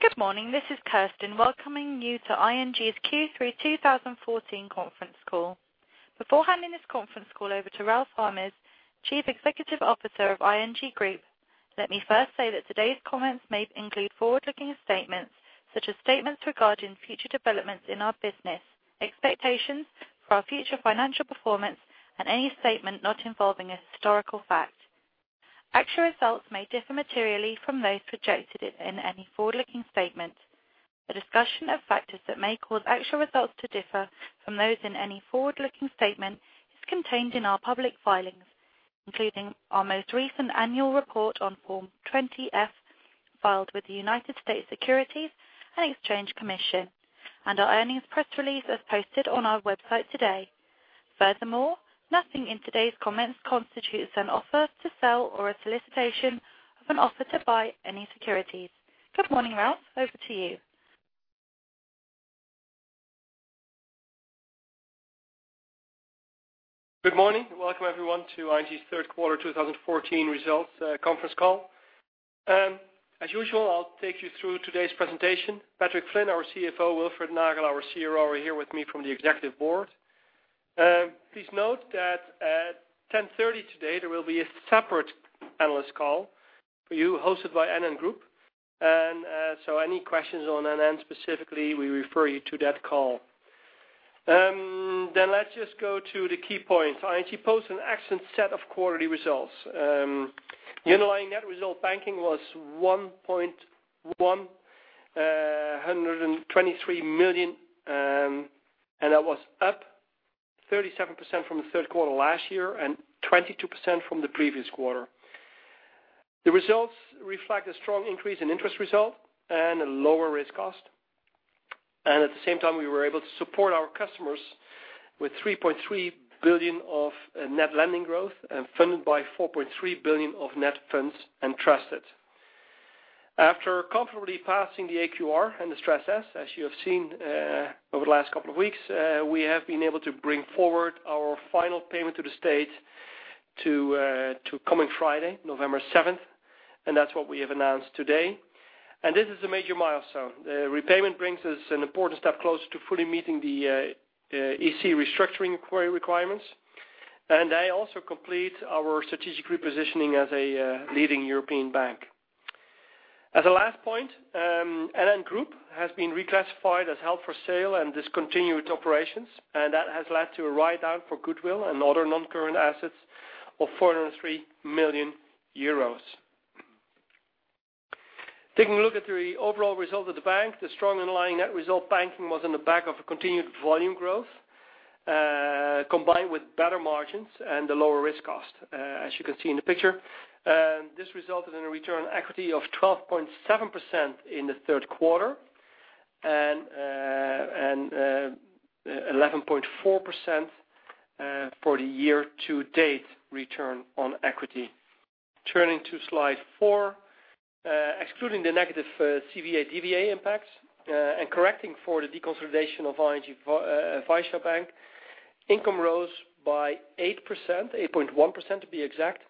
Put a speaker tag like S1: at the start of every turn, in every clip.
S1: Good morning. This is Kirsten welcoming you to ING's Q3 2014 conference call. Before handing this conference call over to Ralph Hamers, Chief Executive Officer of ING Group, let me first say that today's comments may include forward-looking statements, such as statements regarding future developments in our business, expectations for our future financial performance, and any statement not involving a historical fact. Actual results may differ materially from those projected in any forward-looking statement. A discussion of factors that may cause actual results to differ from those in any forward-looking statement is contained in our public filings, including our most recent annual report on Form 20-F, filed with the United States Securities and Exchange Commission, and our earnings press release as posted on our website today. Nothing in today's comments constitutes an offer to sell or a solicitation of an offer to buy any securities. Good morning, Ralph. Over to you.
S2: Good morning. Welcome, everyone, to ING's third quarter 2014 results conference call. As usual, I'll take you through today's presentation. Patrick Flynn, our CFO, Wilfred Nagel, our CRO, are here with me from the executive board. Please note that at 10:30 A.M. today, there will be a separate analyst call for you hosted by NN Group. Any questions on NN specifically, we refer you to that call. Let's just go to the key points. ING posts an excellent set of quarterly results. The underlying net result banking was 1,123 million. That was up 37% from the third quarter last year and 22% from the previous quarter. The results reflect a strong increase in interest result and a lower risk cost. At the same time, we were able to support our customers with 3.3 billion of net lending growth and funded by 4.3 billion of net funds and trusted. After comfortably passing the AQR and the stress test, as you have seen over the last couple of weeks, we have been able to bring forward our final payment to the state to coming Friday, November 7th. That's what we have announced today. This is a major milestone. The repayment brings us an important step closer to fully meeting the EC restructuring requirements. They also complete our strategic repositioning as a leading European bank. As a last point, NN Group has been reclassified as held for sale and discontinued its operations. That has led to a write-down for goodwill and other non-current assets of 403 million euros. Taking a look at the overall result of the bank, the strong underlying net result banking was on the back of a continued volume growth, combined with better margins and a lower risk cost. As you can see in the picture, this resulted in a return equity of 12.7% in the third quarter and 11.4% for the year-to-date return on equity. Turning to Slide four, excluding the negative CVA/DVA impacts and correcting for the deconsolidation of ING Vysya Bank, income rose by 8%, 8.1% to be exact,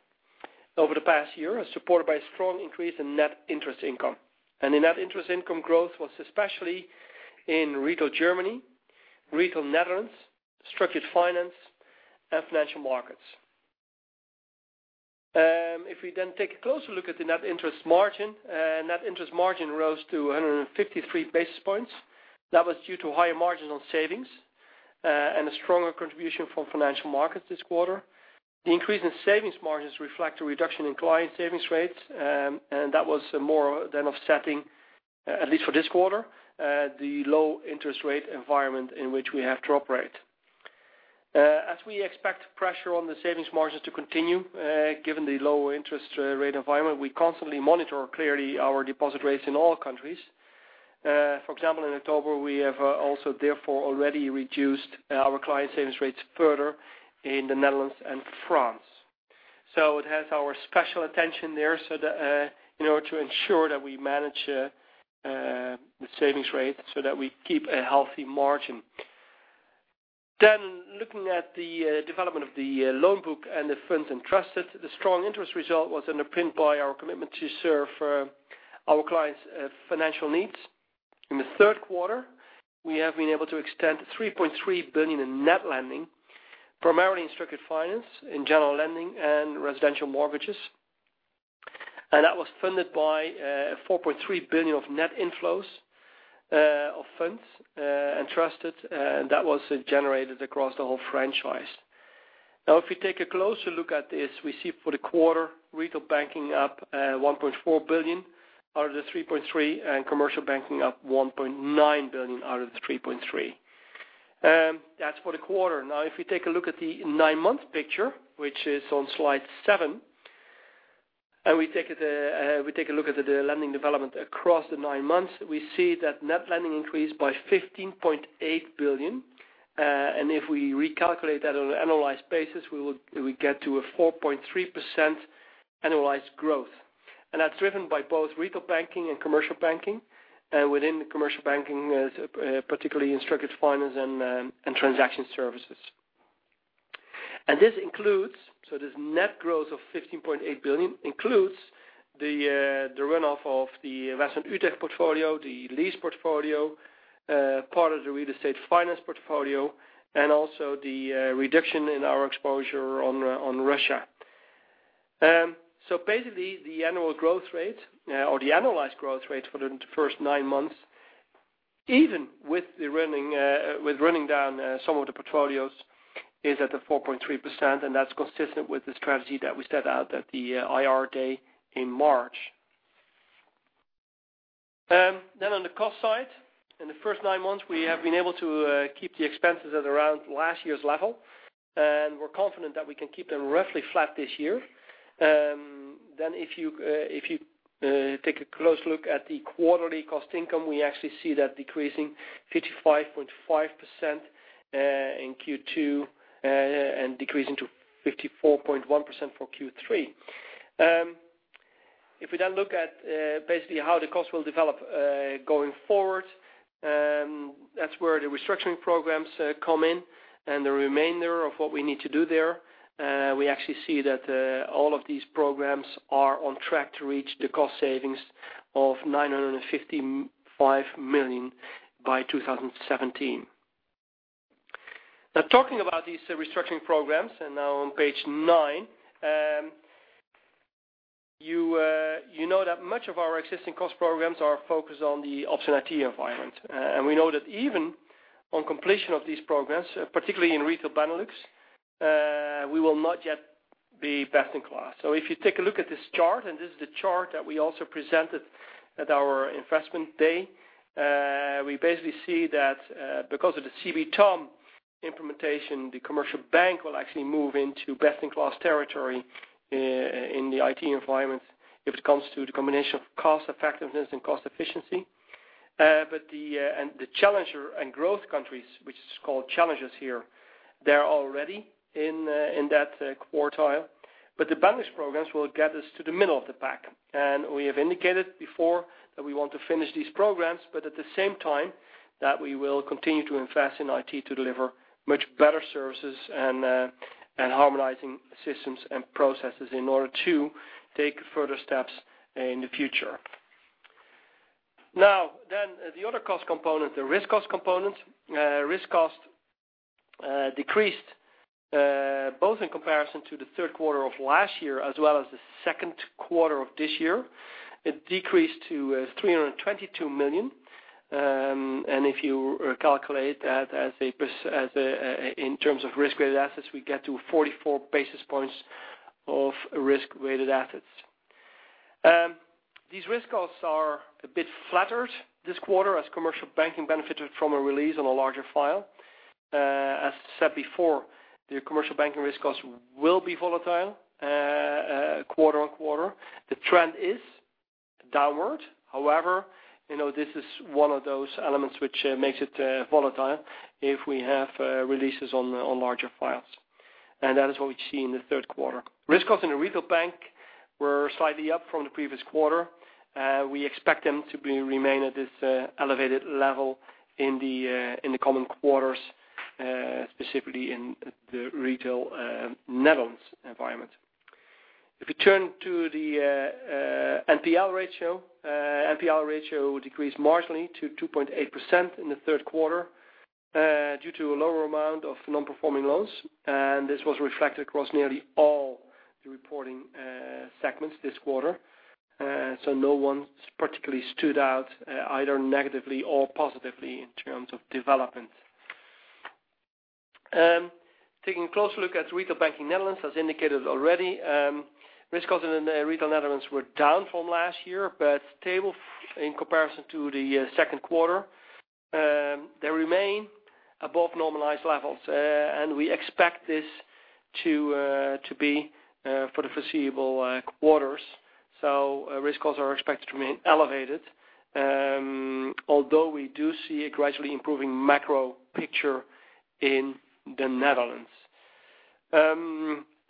S2: over the past year, supported by a strong increase in net interest income. The net interest income growth was especially in Retail Germany, Retail Netherlands, structured finance, and financial markets. If we then take a closer look at the net interest margin, net interest margin rose to 153 basis points. That was due to higher marginal savings and a stronger contribution from financial markets this quarter. The increase in savings margins reflect a reduction in client savings rates, and that was more than offsetting, at least for this quarter, the low interest rate environment in which we have to operate. As we expect pressure on the savings margins to continue, given the low interest rate environment, we constantly monitor clearly our deposit rates in all countries. For example, in October, we have also therefore already reduced our client savings rates further in the Netherlands and France. It has our special attention there in order to ensure that we manage the savings rate so that we keep a healthy margin. Looking at the development of the loan book and the funds entrusted, the strong interest result was underpinned by our commitment to serve our clients' financial needs. In the third quarter, we have been able to extend 3.3 billion in net lending, primarily in structured finance, in general lending, and residential mortgages. That was funded by 4.3 billion of net inflows of funds entrusted, and that was generated across the whole franchise. Now, if we take a closer look at this, we see for the quarter, Retail Banking up 1.4 billion out of the 3.3 billion, and Commercial Banking up 1.9 billion out of the 3.3 billion. That's for the quarter. Now, if we take a look at the nine-month picture, which is on Slide seven, we take a look at the lending development across the nine months, we see that net lending increased by 15.8 billion. If we recalculate that on an annualized basis, we get to a 4.3% annualized growth. That's driven by both Retail Banking and Commercial Banking. Within the Commercial Banking, particularly in structured finance and transaction services. This net growth of 15.8 billion includes the runoff of the WestlandUtrecht portfolio, the lease portfolio, part of the real estate finance portfolio, and also the reduction in our exposure on Russia. Basically, the annual growth rate or the annualized growth rate for the first nine months, even with running down some of the portfolios, is at the 4.3%, and that's consistent with the strategy that we set out at the IR day in March. On the cost side, in the first nine months, we have been able to keep the expenses at around last year's level, and we're confident that we can keep them roughly flat this year. If you take a close look at the quarterly cost income, we actually see that decreasing 55.5% in Q2 and decreasing to 54.1% for Q3. If we look at basically how the cost will develop going forward, that's where the restructuring programs come in and the remainder of what we need to do there. We actually see that all of these programs are on track to reach the cost savings of 955 million by 2017. Talking about these restructuring programs, and now on page nine. You know that much of our existing cost programs are focused on the optionality environment. We know that even on completion of these programs, particularly in Retail Benelux, we will not yet be best in class. If you take a look at this chart, this is the chart that we also presented at our investment day, we basically see that because of the CB TOM implementation, the Commercial Banking will actually move into best-in-class territory in the IT environment if it comes to the combination of cost effectiveness and cost efficiency. The challenger and growth countries, which is called challenges here, they're already in that quartile. The Benelux programs will get us to the middle of the pack. We have indicated before that we want to finish these programs, but at the same time that we will continue to invest in IT to deliver much better services and harmonizing systems and processes in order to take further steps in the future. The other cost component, the risk cost component. Risk cost decreased both in comparison to the third quarter of last year as well as the second quarter of this year. It decreased to 322 million. If you calculate that in terms of risk-weighted assets, we get to 44 basis points of risk-weighted assets. These risk costs are a bit flattered this quarter as Commercial Banking benefited from a release on a larger file. As said before, the Commercial Banking risk costs will be volatile quarter on quarter. The trend is downward. However, this is one of those elements which makes it volatile if we have releases on larger files. That is what we see in the third quarter. Risk costs in the Retail Banking were slightly up from the previous quarter. We expect them to remain at this elevated level in the coming quarters, specifically in the Retail Netherlands environment. If you turn to the NPL ratio. NPL ratio decreased marginally to 2.8% in the third quarter due to a lower amount of non-performing loans. This was reflected across nearly all the reporting segments this quarter. No one particularly stood out, either negatively or positively in terms of development. Taking a closer look at Retail Banking Netherlands, as indicated already, risk costs in the Retail Netherlands were down from last year, but stable in comparison to the second quarter. They remain above normalized levels, we expect this to be for the foreseeable quarters. Risk costs are expected to remain elevated. Although we do see a gradually improving macro picture in the Netherlands.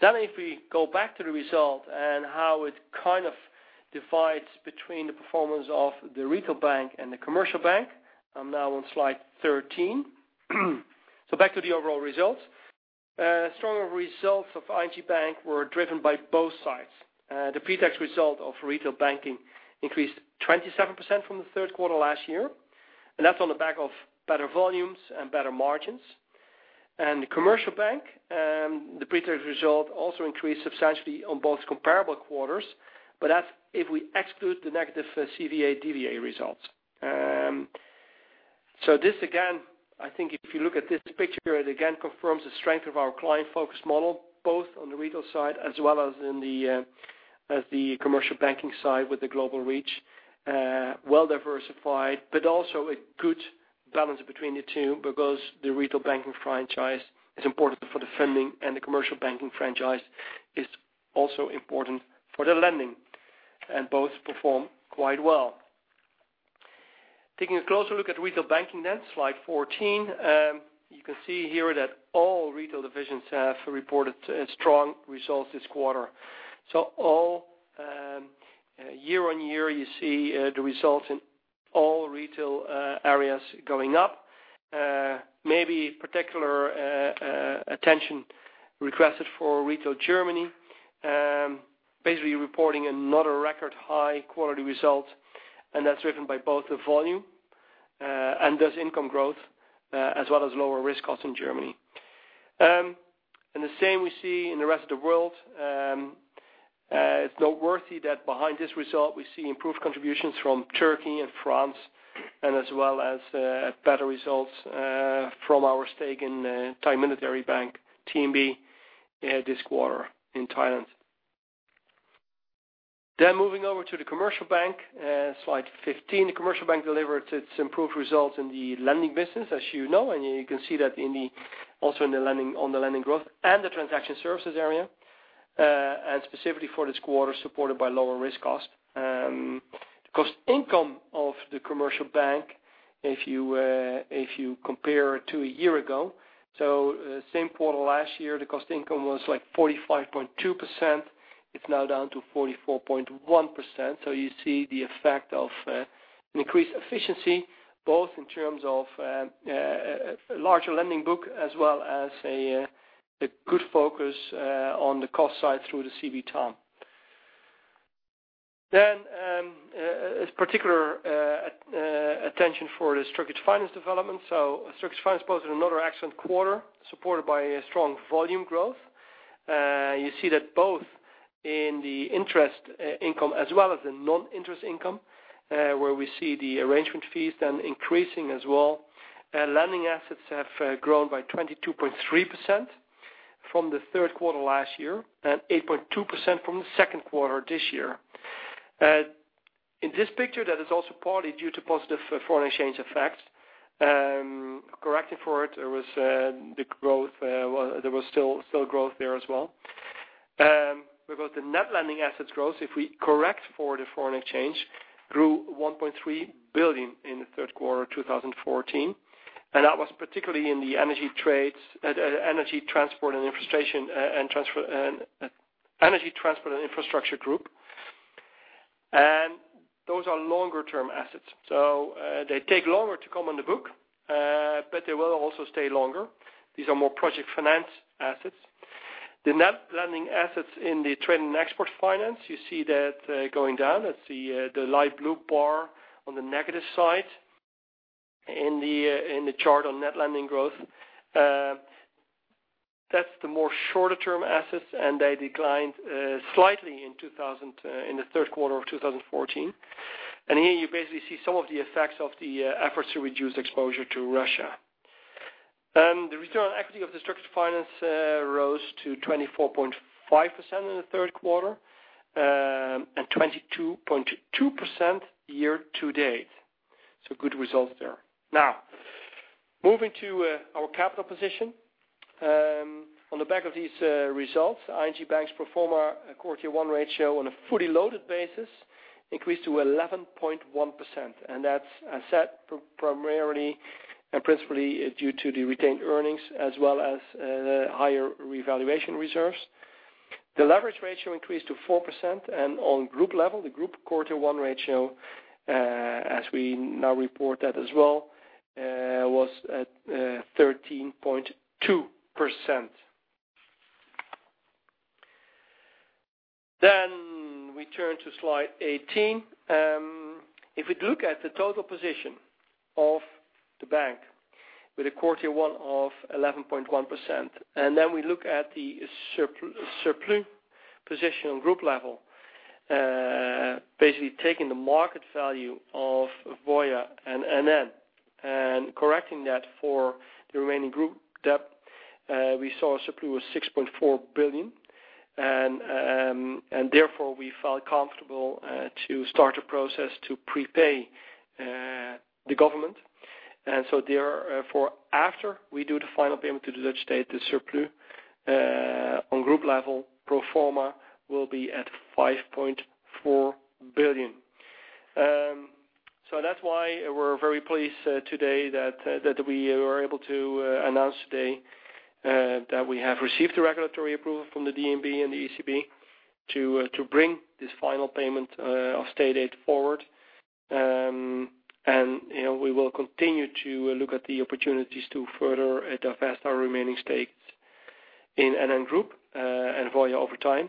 S2: If we go back to the result and how it kind of divides between the performance of the Retail Banking and the Commercial Banking. I'm now on slide 13. Back to the overall results. Stronger results of ING Bank were driven by both sides. The pretax result of Retail Banking increased 27% from the third quarter last year, that's on the back of better volumes and better margins. The Commercial Bank, the pretax result also increased substantially on both comparable quarters, but that's if we exclude the negative CVA/DVA results. This again, I think if you look at this picture, it again confirms the strength of our client focus model, both on the Retail side as well as the Commercial Banking side with the global reach. Diversified, but also a good balance between the two because the Retail Banking franchise is important for the funding and the Commercial Banking franchise is also important for the lending, and both perform quite well. Taking a closer look at Retail Banking, slide 14. You can see here that all Retail divisions have reported strong results this quarter. All year-on-year, you see the results All Retail areas going up. Particular attention requested for Retail Germany. Reporting another record high quality result, that's driven by both the volume and thus income growth, as well as lower risk costs in Germany. The same we see in the rest of the world. It's noteworthy that behind this result, we see improved contributions from Turkey and France, as well as better results from our stake in Thai Military Bank, TMB, this quarter in Thailand. Moving over to the Commercial Bank, slide 15. The Commercial Bank delivered its improved results in the lending business, as you know, you can see that also on the lending growth and the transaction services area, specifically for this quarter, supported by lower risk cost. Cost income of the Commercial Bank, if you compare it to a year ago, same quarter last year, the cost income was like 45.2%. It's now down to 44.1%. You see the effect of an increased efficiency, both in terms of a larger lending book as well as a good focus on the cost side through the CB TOM. Particular attention for the structured finance development. Structured finance posted another excellent quarter, supported by a strong volume growth. You see that both in the interest income as well as the non-interest income, where we see the arrangement fees increasing as well. Lending assets have grown by 22.3% from the third quarter last year 8.2% from the second quarter this year. In this picture, that is also partly due to positive foreign exchange effects. Correcting for it, there was still growth there as well. Regarding the net lending assets growth, if we correct for the foreign exchange, grew 1.3 billion in the third quarter of 2014. That was particularly in the energy transport and infrastructure group. Those are longer-term assets. They take longer to come on the book, but they will also stay longer. These are more project finance assets. The net lending assets in the Trade and Export Finance, you see that going down. That's the light blue bar on the negative side in the chart on net lending growth. That's the more shorter-term assets, and they declined slightly in the third quarter of 2014. Here you basically see some of the effects of the efforts to reduce exposure to Russia. The return on equity of the structured finance rose to 24.5% in the third quarter and 22.2% year to date. Good results there. Moving to our capital position. On the back of these results, ING Bank's pro forma Core Tier 1 ratio on a fully loaded basis increased to 11.1%, and that is set primarily and principally due to the retained earnings as well as higher revaluation reserves. The leverage ratio increased to 4%, and on group level, the Group Core Tier 1 ratio, as we now report that as well, was at 13.2%. We turn to slide 18. If we look at the total position of the bank with a Core Tier 1 of 11.1%, then we look at the surplus position on group level, basically taking the market value of Voya and NN. Correcting that for the remaining group debt, we saw a surplus of 6.4 billion. We felt comfortable to start a process to prepay the government. After we do the final payment to the Dutch state, the surplus on group level pro forma will be at 5.4 billion. That is why we are very pleased today that we were able to announce today that we have received the regulatory approval from the DNB and the ECB to bring this final payment of state aid forward. We will continue to look at the opportunities to further divest our remaining stakes in NN Group and Voya over time.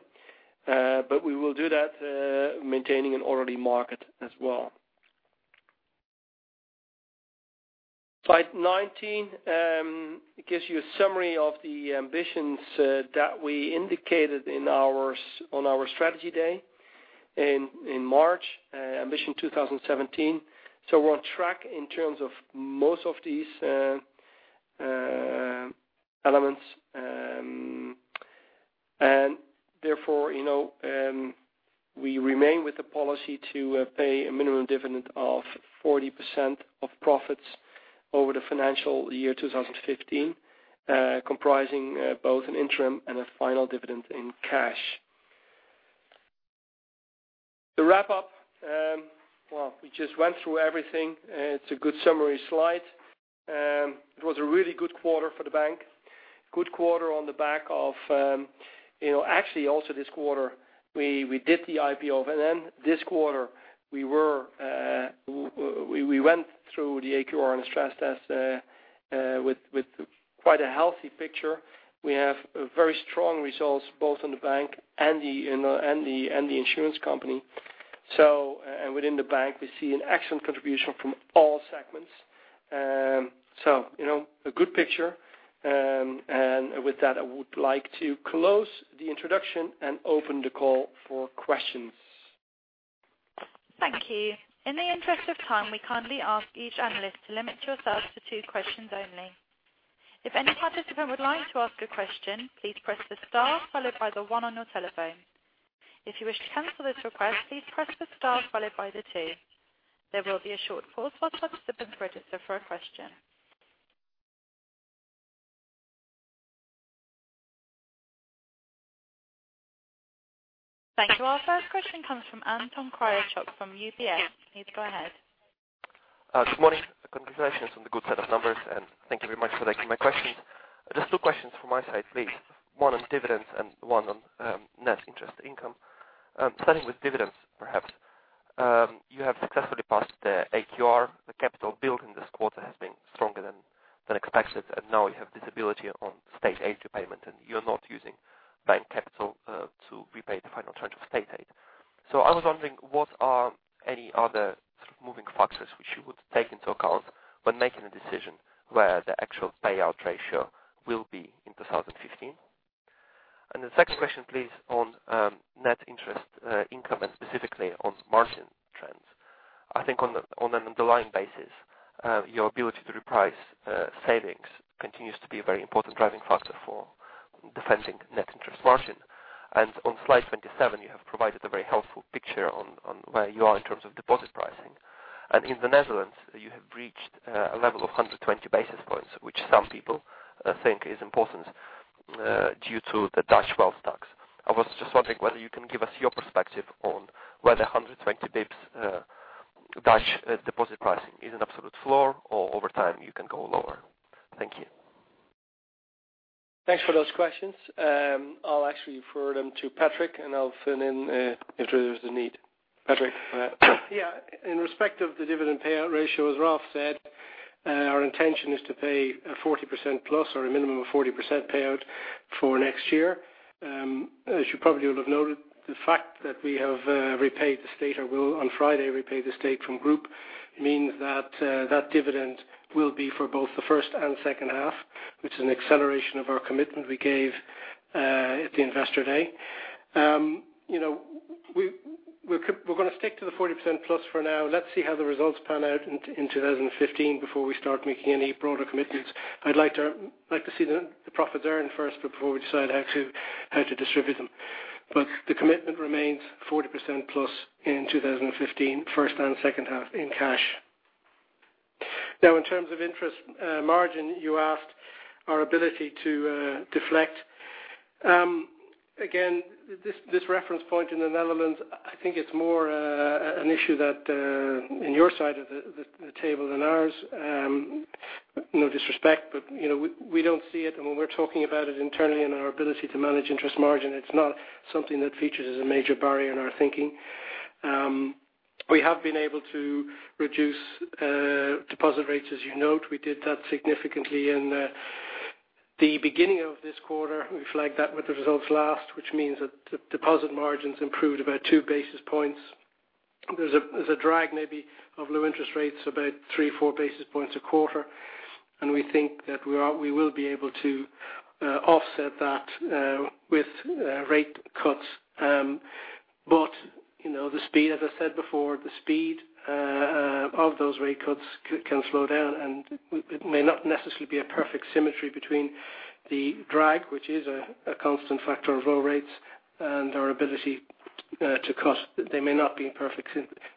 S2: We will do that maintaining an orderly market as well. Slide 19 gives you a summary of the ambitions that we indicated on our strategy day in March, Ambition 2017. We are on track in terms of most of these elements. We remain with the policy to pay a minimum dividend of 40% of profits over the financial year 2015, comprising both an interim and a final dividend in cash. The wrap-up. Well, we just went through everything. It is a good summary slide. It was a really good quarter for the bank. Good quarter on the back of. Actually, also this quarter we did the IPO of NN. This quarter, we went through the AQR and the stress test with quite a healthy picture. We have very strong results both in the bank and the insurance company. Within the bank, we see an excellent contribution from all segments. A good picture. With that, I would like to close the introduction and open the call for questions.
S3: Thank you. In the interest of time, we kindly ask each analyst to limit yourselves to two questions only. If any participant would like to ask a question, please press the star followed by the one on your telephone. If you wish to cancel this request, please press the star followed by the two. There will be a short pause while participants register for a question. Thank you. Our first question comes from Anton Kryachok from UBS. Please go ahead.
S4: Good morning. Congratulations on the good set of numbers, thank you very much for taking my questions. Just two questions from my side, please. One on dividends and one on net interest income. Starting with dividends, perhaps. You have successfully passed the AQR. The capital build in this quarter has been stronger than expected, now you have this ability on state aid repayment, and you're not using bank capital to repay the final tranche of state aid. I was wondering, what are any other moving factors which you would take into account when making a decision where the actual payout ratio will be in 2015? The second question, please, on net interest income and specifically on margin trends. I think on an underlying basis, your ability to reprice savings continues to be a very important driving factor for defending net interest margin. On slide 27, you have provided a very helpful picture on where you are in terms of deposit pricing. In the Netherlands, you have reached a level of 120 basis points, which some people think is important due to the Dutch wealth tax. I was just wondering whether you can give us your perspective on whether 120 basis points Dutch deposit pricing is an absolute floor or over time you can go lower. Thank you.
S2: Thanks for those questions. I'll actually refer them to Patrick, I'll fill in if there's the need. Patrick.
S5: In respect of the dividend payout ratio, as Ralph said, our intention is to pay a 40% plus or a minimum of 40% payout for next year. As you probably will have noted, the fact that we have repaid the state or will on Friday repay the state from ING Group means that that dividend will be for both the first and second half, which is an acceleration of our commitment we gave at the Investor Day. We're going to stick to the 40% plus for now. Let's see how the results pan out in 2015 before we start making any broader commitments. I'd like to see the profits earned first before we decide how to distribute them. The commitment remains 40% plus in 2015, first and second half in cash. In terms of interest margin, you asked our ability to deflect. This reference point in the Netherlands, I think it's more an issue that in your side of the table than ours. No disrespect, but we don't see it, and when we're talking about it internally and our ability to manage interest margin, it's not something that features as a major barrier in our thinking. We have been able to reduce deposit rates, as you note. We did that significantly in the beginning of this quarter. We flagged that with the results last, which means that deposit margins improved about two basis points. There's a drag maybe of low interest rates, about three or four basis points a quarter, and we think that we will be able to offset that with rate cuts. The speed, as I said before, the speed of those rate cuts can slow down, and it may not necessarily be a perfect symmetry between the drag, which is a constant factor of low rates, and our ability to cut. They may not be in perfect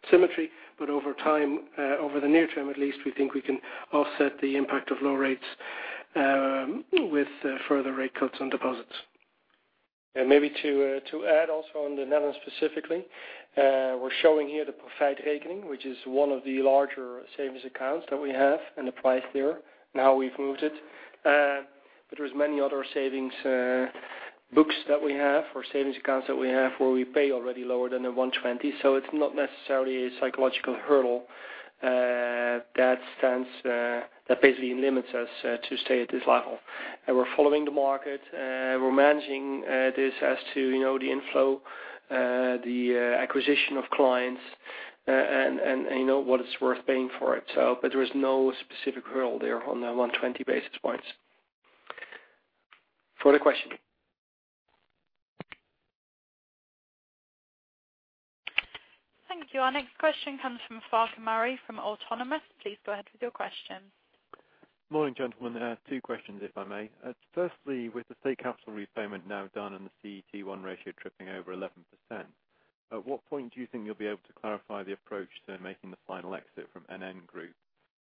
S5: symmetry, over time, over the near term at least, we think we can offset the impact of low rates with further rate cuts on deposits.
S2: Maybe to add also on the Netherlands specifically, we're showing here the Profijtrekening, which is one of the larger savings accounts that we have, and the price there, now we've moved it. There's many other savings books that we have or savings accounts that we have where we pay already lower than the 120. It's not necessarily a psychological hurdle that basically limits us to stay at this level. We're following the market. We're managing this as to the inflow, the acquisition of clients, and what it's worth paying for it. There is no specific hurdle there on the 120 basis points. Further questions.
S3: Thank you. Our next question comes from Farq Murray from Autonomous. Please go ahead with your question.
S6: Morning, gentlemen. Two questions, if I may. Firstly, with the state capital repayment now done and the CET1 ratio tripping over 11%, at what point do you think you'll be able to clarify the approach to making the final exit from NN Group,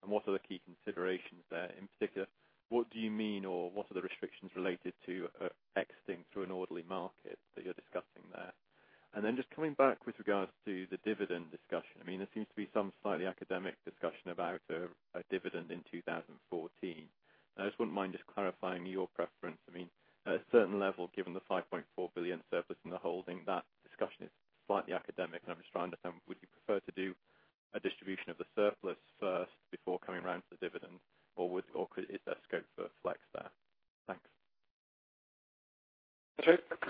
S6: and what are the key considerations there? In particular, what do you mean or what are the restrictions related to exiting through an orderly market that you're discussing there? Just coming back with regards to the dividend discussion. There seems to be some slightly academic discussion about a dividend in 2014. I just wouldn't mind just clarifying your preference. At a certain level, given the 5.4 billion surplus in the holding, that discussion is slightly academic. I'm just trying to understand, would you prefer to do a distribution of the surplus first before coming around to the dividend, or is there scope for flex there? Thanks.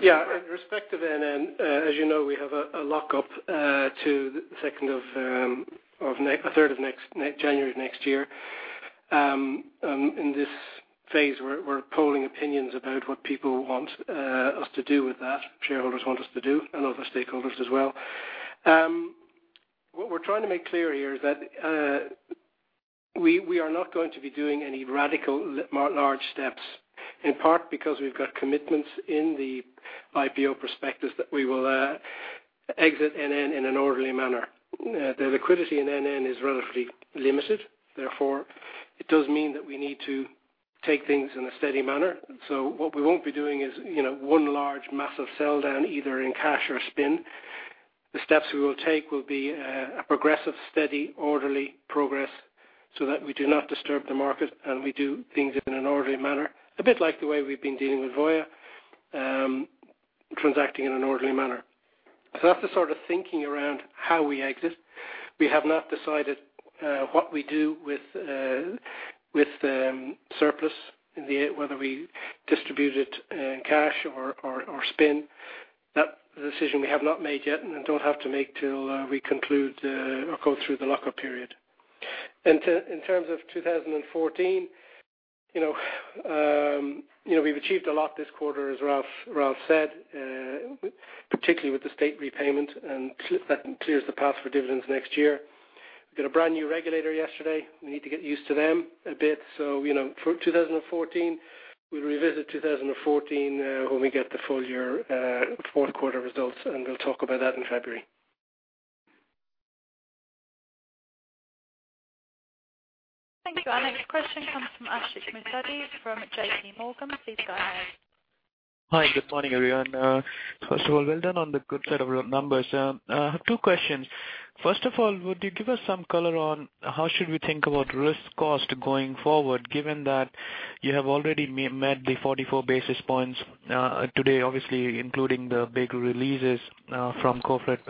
S5: Yeah. In respect to NN, as you know, we have a lockup to the 3rd of January next year. In this phase, we're polling opinions about what people want us to do with that, shareholders want us to do, and other stakeholders as well. What we're trying to make clear here is that we are not going to be doing any radical large steps, in part because we've got commitments in the IPO prospectus that we will exit NN in an orderly manner. The liquidity in NN is relatively limited, therefore, it does mean that we need to take things in a steady manner. What we won't be doing is one large massive sell-down, either in cash or spin. The steps we will take will be a progressive, steady, orderly progress so that we do not disturb the market and we do things in an orderly manner, a bit like the way we've been dealing with Voya, transacting in an orderly manner. That's the sort of thinking around how we exit. We have not decided what we do with the surplus, whether we distribute it in cash or spin. That decision we have not made yet, and don't have to make till we conclude or go through the lock-up period. In terms of 2014, we've achieved a lot this quarter, as Ralph said, particularly with the state repayment, and that clears the path for dividends next year. We got a brand-new regulator yesterday. We need to get used to them a bit. For 2014, we'll revisit 2014 when we get the full year fourth quarter results, and we'll talk about that in February.
S3: Thank you. Our next question comes from Ashik Musaddi from JPMorgan. Please go ahead.
S7: Hi. Good morning, everyone. First of all, well done on the good set of numbers. I have two questions. First of all, would you give us some color on how should we think about risk cost going forward, given that you have already met the 44 basis points today, obviously including the big releases from corporate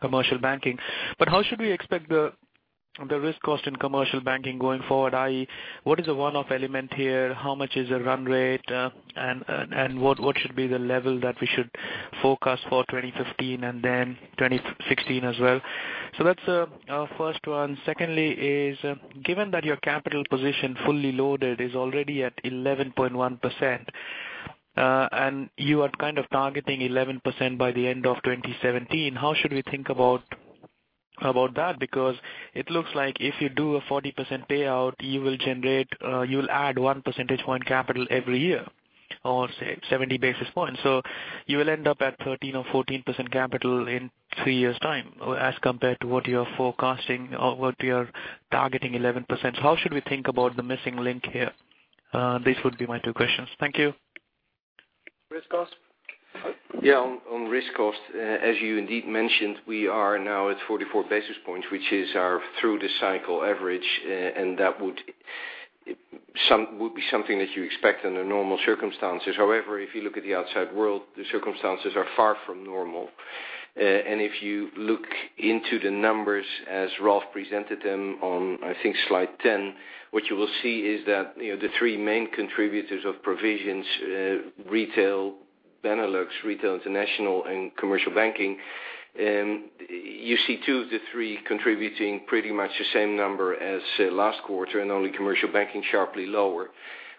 S7: Commercial Banking. How should we expect the risk cost in Commercial Banking going forward, i.e. what is the one-off element here? How much is a run rate? What should be the level that we should forecast for 2015 and then 2016 as well? That's our first one. Secondly is, given that your capital position fully loaded is already at 11.1%, and you are kind of targeting 11% by the end of 2017, how should we think about that? It looks like if you do a 40% payout, you will add one percentage point capital every year, or say, 70 basis points. You will end up at 13% or 14% capital in three years' time, as compared to what you are forecasting or what you are targeting, 11%. How should we think about the missing link here? These would be my two questions. Thank you.
S5: Risk cost?
S8: On risk cost, as you indeed mentioned, we are now at 44 basis points, which is our through-the-cycle average, and that would be something that you expect under normal circumstances. However, if you look at the outside world, the circumstances are far from normal. If you look into the numbers as Ralph presented them on, I think, slide 10, what you will see is that the three main contributors of provisions, Benelux Retail International and Commercial Banking, you see two of the three contributing pretty much the same number as last quarter and only Commercial Banking sharply lower,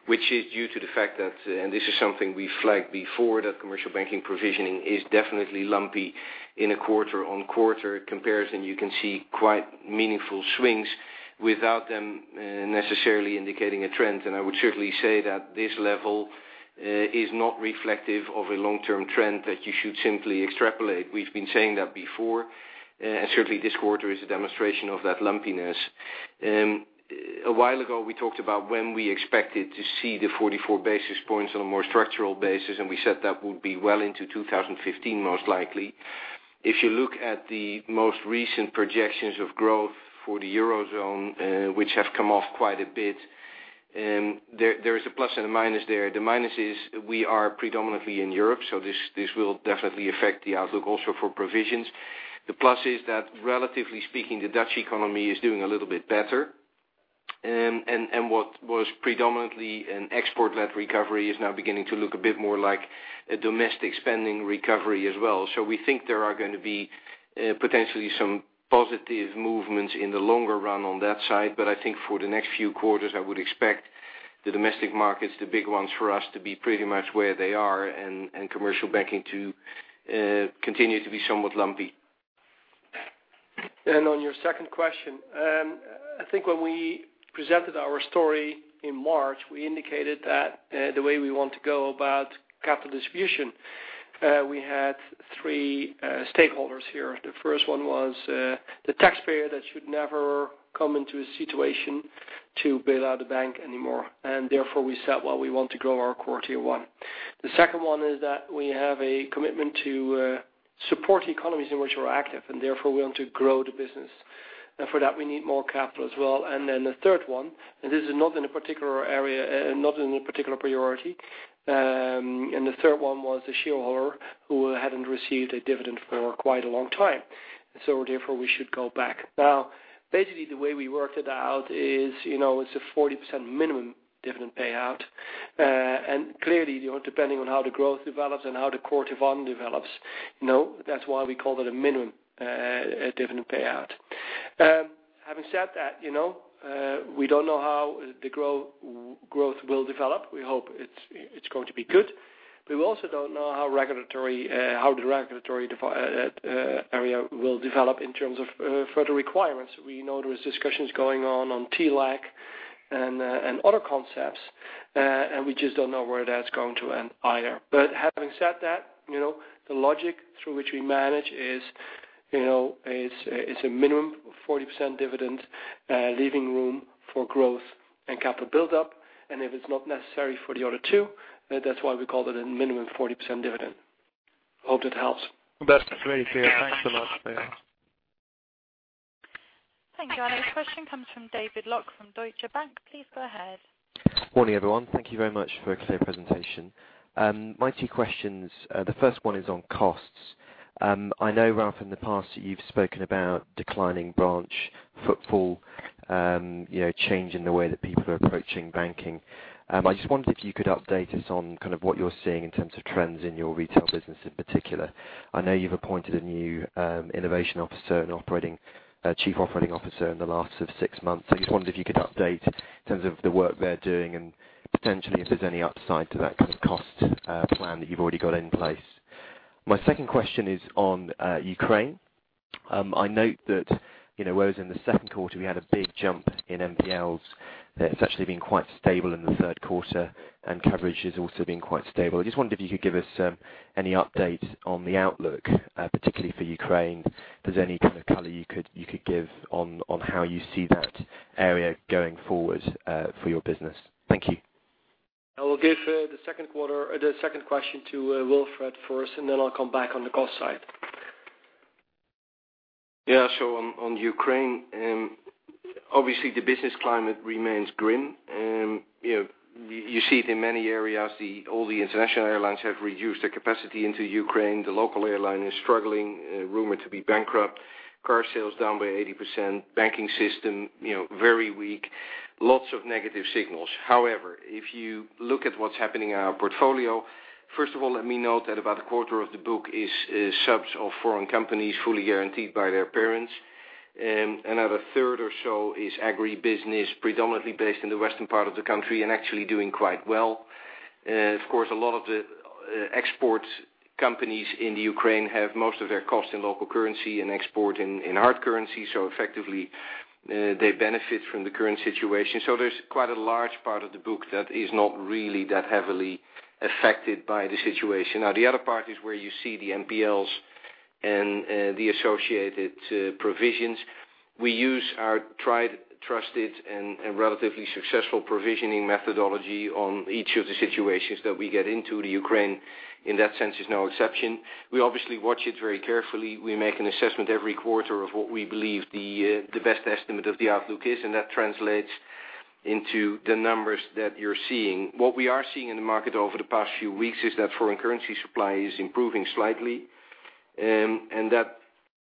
S8: which is due to the fact that, and this is something we flagged before, that Commercial Banking provisioning is definitely lumpy in a quarter-on-quarter comparison. You can see quite meaningful swings without them necessarily indicating a trend. I would certainly say that this level is not reflective of a long-term trend that you should simply extrapolate. We've been saying that before, and certainly, this quarter is a demonstration of that lumpiness. A while ago, we talked about when we expected to see the 44 basis points on a more structural basis, and we said that would be well into 2015, most likely. If you look at the most recent projections of growth for the Eurozone, which have come off quite a bit, there is a plus and a minus there. The minus is we are predominantly in Europe, so this will definitely affect the outlook also for provisions. The plus is that relatively speaking, the Dutch economy is doing a little bit better. What was predominantly an export-led recovery is now beginning to look a bit more like a domestic spending recovery as well. We think there are going to be potentially some positive movements in the longer run on that side. I think for the next few quarters, I would expect the domestic markets, the big ones for us, to be pretty much where they are and Commercial Banking to continue to be somewhat lumpy.
S5: On your second question, I think when we presented our story in March, we indicated that the way we want to go about capital distribution, we had three stakeholders here. The first one was the taxpayer that should never come into a situation
S2: To build out the bank anymore, therefore we said, "Well, we want to grow our Core Tier 1." The second one is that we have a commitment to support the economies in which we're active, therefore we want to grow the business. For that, we need more capital as well. Then the third one, this is not in a particular priority. The third one was the shareholder who hadn't received a dividend for quite a long time. Therefore, we should go back. Now, basically, the way we worked it out is it's a 40% minimum dividend payout. Clearly, depending on how the growth develops and how the Core Tier 1 develops. That's why we call it a minimum dividend payout. Having said that, we don't know how the growth will develop. We hope it's going to be good. We also don't know how the regulatory area will develop in terms of further requirements. We know there is discussions going on TLAC and other concepts, we just don't know where that's going to end either. Having said that, the logic through which we manage is a minimum of 40% dividend, leaving room for growth and capital buildup. If it's not necessary for the other two, that's why we called it a minimum 40% dividend. Hope that helps.
S7: That's very clear. Thanks so much.
S2: Yeah. Thanks.
S3: Thank you. Our next question comes from David Lock from Deutsche Bank. Please go ahead.
S9: Morning, everyone. Thank you very much for a clear presentation. My two questions, the first one is on costs. I know, Ralph, in the past, you've spoken about declining branch footfall, change in the way that people are approaching banking. I just wondered if you could update us on kind of what you're seeing in terms of trends in your retail business in particular. I know you've appointed a new innovation officer and chief operating officer in the last six months. I just wondered if you could update in terms of the work they're doing and potentially if there's any upside to that kind of cost plan that you've already got in place. My second question is on Ukraine. I note that, whereas in the second quarter, we had a big jump in NPLs, that it's actually been quite stable in the third quarter, and coverage has also been quite stable. I just wondered if you could give us any update on the outlook, particularly for Ukraine. If there's any kind of color you could give on how you see that area going forward, for your business. Thank you.
S2: I will give the second question to Wilfred first, and then I'll come back on the cost side.
S8: On Ukraine, obviously the business climate remains grim. You see it in many areas. All the international airlines have reduced their capacity into Ukraine. The local airline is struggling, rumored to be bankrupt. Car sales down by 80%. Banking system very weak. Lots of negative signals. However, if you look at what's happening in our portfolio, first of all, let me note that about a quarter of the book is subs of foreign companies fully guaranteed by their parents. Another third or so is agri-business, predominantly based in the western part of the country and actually doing quite well. Of course, a lot of the export companies in Ukraine have most of their cost in local currency and export in hard currency, so effectively they benefit from the current situation. There's quite a large part of the book that is not really that heavily affected by the situation. Now, the other part is where you see the NPLs and the associated provisions. We use our tried, trusted, and relatively successful provisioning methodology on each of the situations that we get into. Ukraine, in that sense, is no exception. We obviously watch it very carefully. We make an assessment every quarter of what we believe the best estimate of the outlook is, and that translates into the numbers that you're seeing. What we are seeing in the market over the past few weeks is that foreign currency supply is improving slightly, and that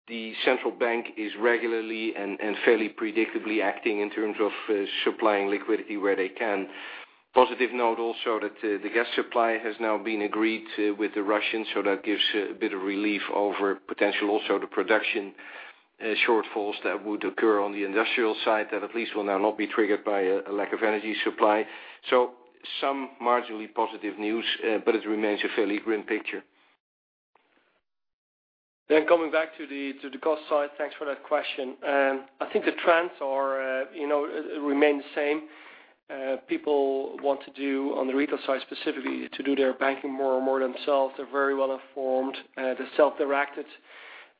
S8: the central bank is regularly and fairly predictably acting in terms of supplying liquidity where they can. Positive note also that the gas supply has now been agreed to with the Russians. That gives a bit of relief over potential, also the production shortfalls that would occur on the industrial side that at least will now not be triggered by a lack of energy supply. Some marginally positive news, but it remains a fairly grim picture.
S2: Coming back to the cost side, thanks for that question. I think the trends remain the same. People want to do, on the retail side specifically, to do their banking more and more themselves. They are very well informed. They are self-directed.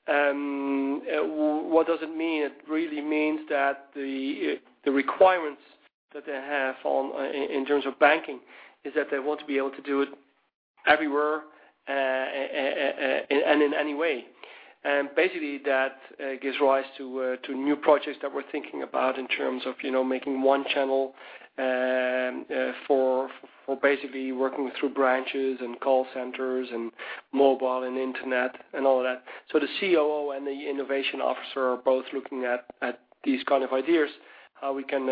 S2: What does it mean? It really means that the requirements that they have in terms of banking is that they want to be able to do it everywhere and in any way. Basically, that gives rise to new projects that we are thinking about in terms of making one channel for basically working through branches and call centers and mobile and internet and all of that. The COO and the innovation officer are both looking at these kind of ideas, how we can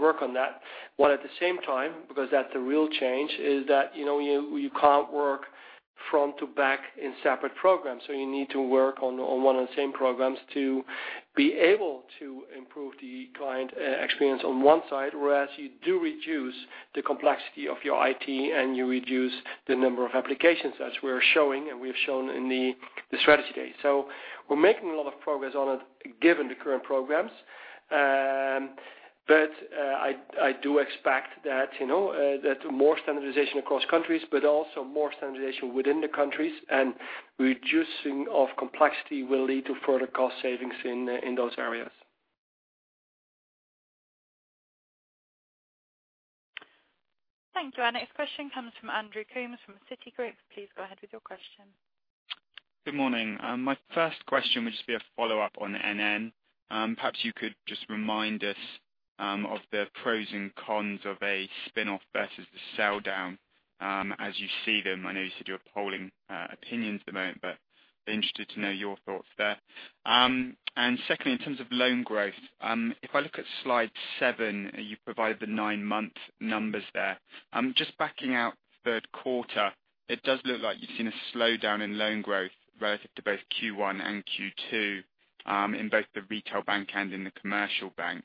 S2: work on that. While at the same time, because that is the real change, is that you cannot work front to back in separate programs. You need to work on one and the same programs to be able to improve the client experience on one side, whereas you do reduce the complexity of your IT and you reduce the number of applications as we are showing, and we have shown in the strategy day. We are making a lot of progress on it given the current programs. I do expect that more standardization across countries, but also more standardization within the countries and reducing of complexity will lead to further cost savings in those areas.
S3: Thank you. Our next question comes from Andrew Coombs from Citigroup. Please go ahead with your question.
S10: Good morning. My first question would just be a follow-up on NN. Perhaps you could just remind us of the pros and cons of a spin-off versus the sell-down, as you see them. I know you said you're polling opinions at the moment, but interested to know your thoughts there. Secondly, in terms of loan growth, if I look at slide seven, you provide the nine-month numbers there. Just backing out third quarter, it does look like you've seen a slowdown in loan growth relative to both Q1 and Q2, in both the retail bank and in the commercial bank.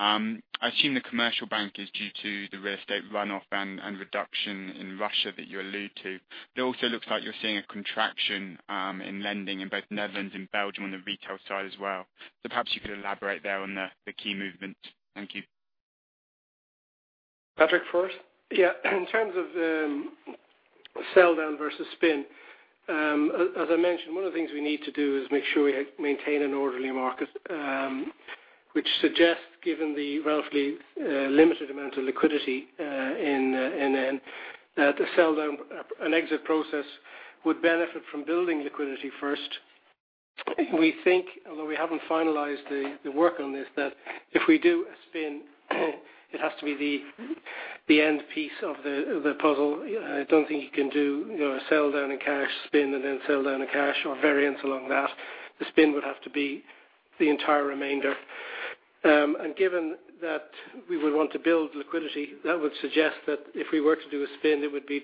S10: I assume the commercial bank is due to the real estate runoff and reduction in Russia that you allude to. It also looks like you're seeing a contraction in lending in both the Netherlands and Belgium on the retail side as well. Perhaps you could elaborate there on the key movement. Thank you.
S2: Patrick first?
S5: In terms of sell down versus spin, as I mentioned, one of the things we need to do is make sure we maintain an orderly market, which suggests, given the relatively limited amount of liquidity in NN, that a sell down, an exit process, would benefit from building liquidity first. We think, although we haven't finalized the work on this, that if we do a spin, it has to be the end piece of the puzzle. I don't think you can do a sell down and cash spin and then sell down a cash or variance along that. The spin would have to be the entire remainder. Given that we would want to build liquidity, that would suggest that if we were to do a spin, it would be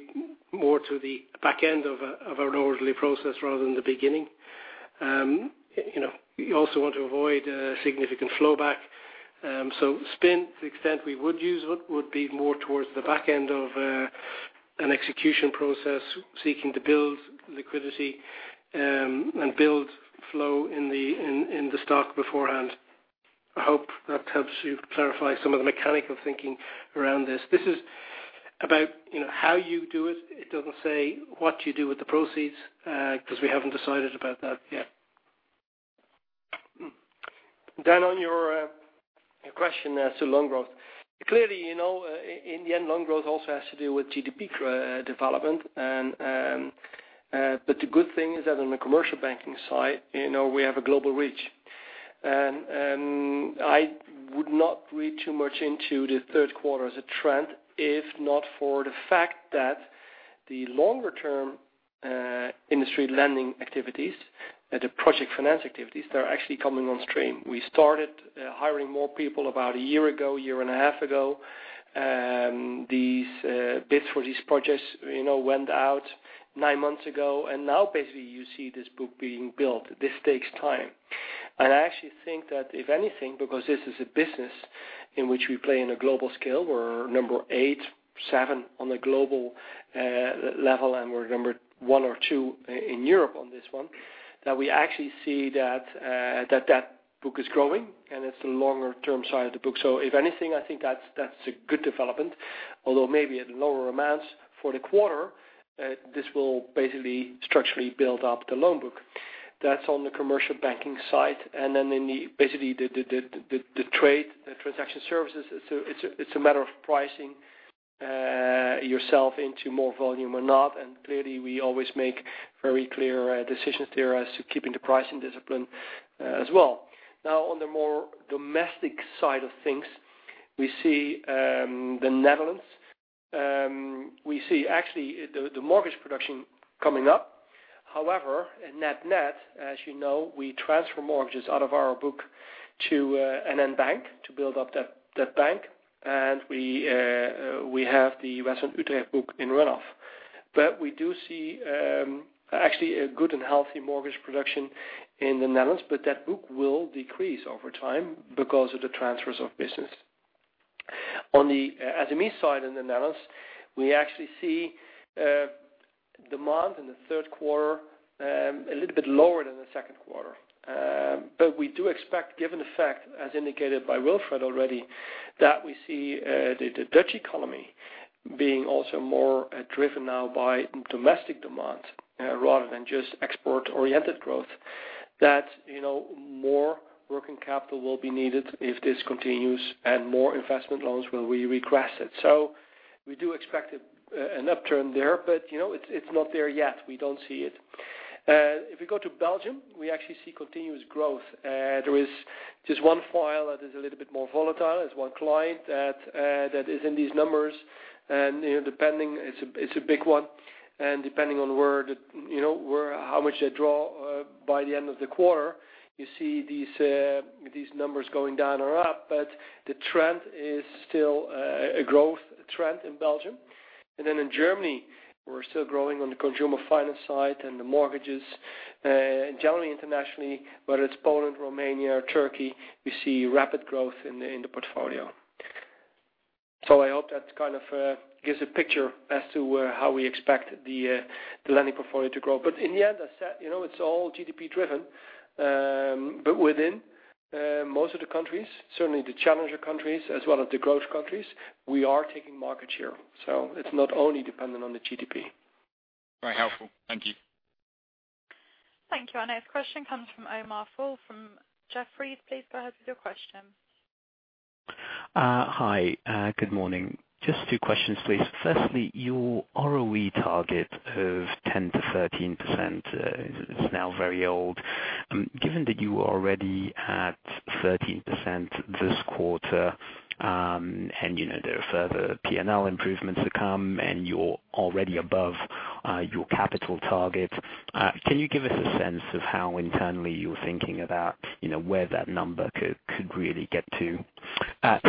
S5: more to the back end of an orderly process rather than the beginning. You also want to avoid a significant flow back. Spin, to the extent we would use it, would be more towards the back end of an execution process, seeking to build liquidity and build flow in the stock beforehand. I hope that helps you clarify some of the mechanical thinking around this. This is about how you do it. It doesn't say what you do with the proceeds, because we haven't decided about that yet.
S2: Dan, on your question as to loan growth. In the end, loan growth also has to do with GDP development. The good thing is that on the Commercial Banking side, we have a global reach. I would not read too much into the third quarter as a trend, if not for the fact that the longer-term industry lending activities, the project finance activities, they're actually coming on stream. We started hiring more people about a year ago, a year and a half ago. These bids for these projects went out nine months ago, and now basically you see this book being built. This takes time. I actually think that if anything, because this is a business in which we play in a global scale, we're number 8, 7 on the global level, and we're number 1 or 2 in Europe on this one, that we actually see that that book is growing, and it's the longer-term side of the book. If anything, I think that's a good development, although maybe at lower amounts for the quarter, this will basically structurally build up the loan book. That's on the Commercial Banking side. Basically the trade, the transaction services, it's a matter of pricing yourself into more volume or not, and clearly, we always make very clear decisions there as to keeping the pricing discipline as well. On the more domestic side of things, we see the Netherlands. We see actually the mortgage production coming up. At net net, as you know, we transfer mortgages out of our book to NN Bank to build up that bank. We have the WestlandUtrecht book in runoff. We do see actually a good and healthy mortgage production in the Netherlands, but that book will decrease over time because of the transfers of business. On the SME side in the Netherlands, we actually see demand in the third quarter a little bit lower than the second quarter. We do expect, given the fact, as indicated by Wilfred already, that we see the Dutch economy being also more driven now by domestic demand rather than just export-oriented growth, that more working capital will be needed if this continues, and more investment loans will be requested. We do expect an upturn there, but it's not there yet. We don't see it. If we go to Belgium, we actually see continuous growth. There is just one file that is a little bit more volatile. It's one client that is in these numbers, and it's a big one. Depending on how much they draw by the end of the quarter, you see these numbers going down or up. The trend is still a growth trend in Belgium. In Germany, we're still growing on the consumer finance side and the mortgages. Generally internationally, whether it's Poland, Romania, or Turkey, we see rapid growth in the portfolio. I hope that kind of gives a picture as to how we expect the lending portfolio to grow. In the end, as said, it's all GDP driven. Within most of the countries, certainly the challenger countries as well as the growth countries, we are taking market share. It's not only dependent on the GDP.
S10: Very helpful. Thank you.
S3: Thank you. Our next question comes from Omar Fall from Jefferies. Please go ahead with your question.
S11: Hi, good morning. Just two questions, please. Firstly, your ROE target of 10%-13% is now very old. Given that you are already at 13% this quarter, and there are further P&L improvements to come, and you're already above your capital target, can you give us a sense of how internally you're thinking about where that number could really get to?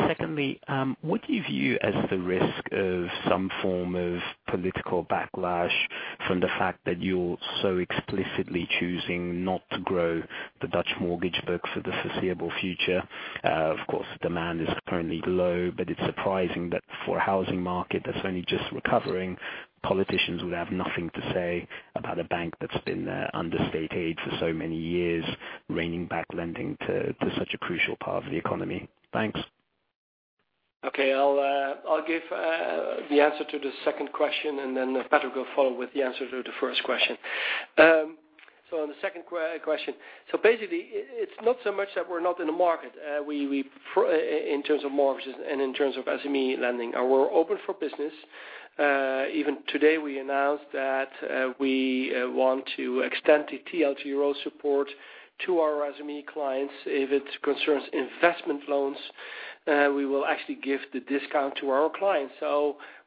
S11: Secondly, what do you view as the risk of some form of political backlash from the fact that you're so explicitly choosing not to grow the Dutch mortgage book for the foreseeable future? Of course, demand is currently low, it's surprising that for a housing market that's only just recovering, politicians would have nothing to say about a bank that's been under state aid for so many years, reining back lending to such a crucial part of the economy. Thanks.
S2: Okay. I'll give the answer to the second question, then Patrick will follow with the answer to the first question. On the second question. Basically, it's not so much that we're not in the market in terms of mortgages and in terms of SME lending. We're open for business. Even today we announced that we want to extend the TLTRO support to our SME clients. If it concerns investment loans, we will actually give the discount to our clients.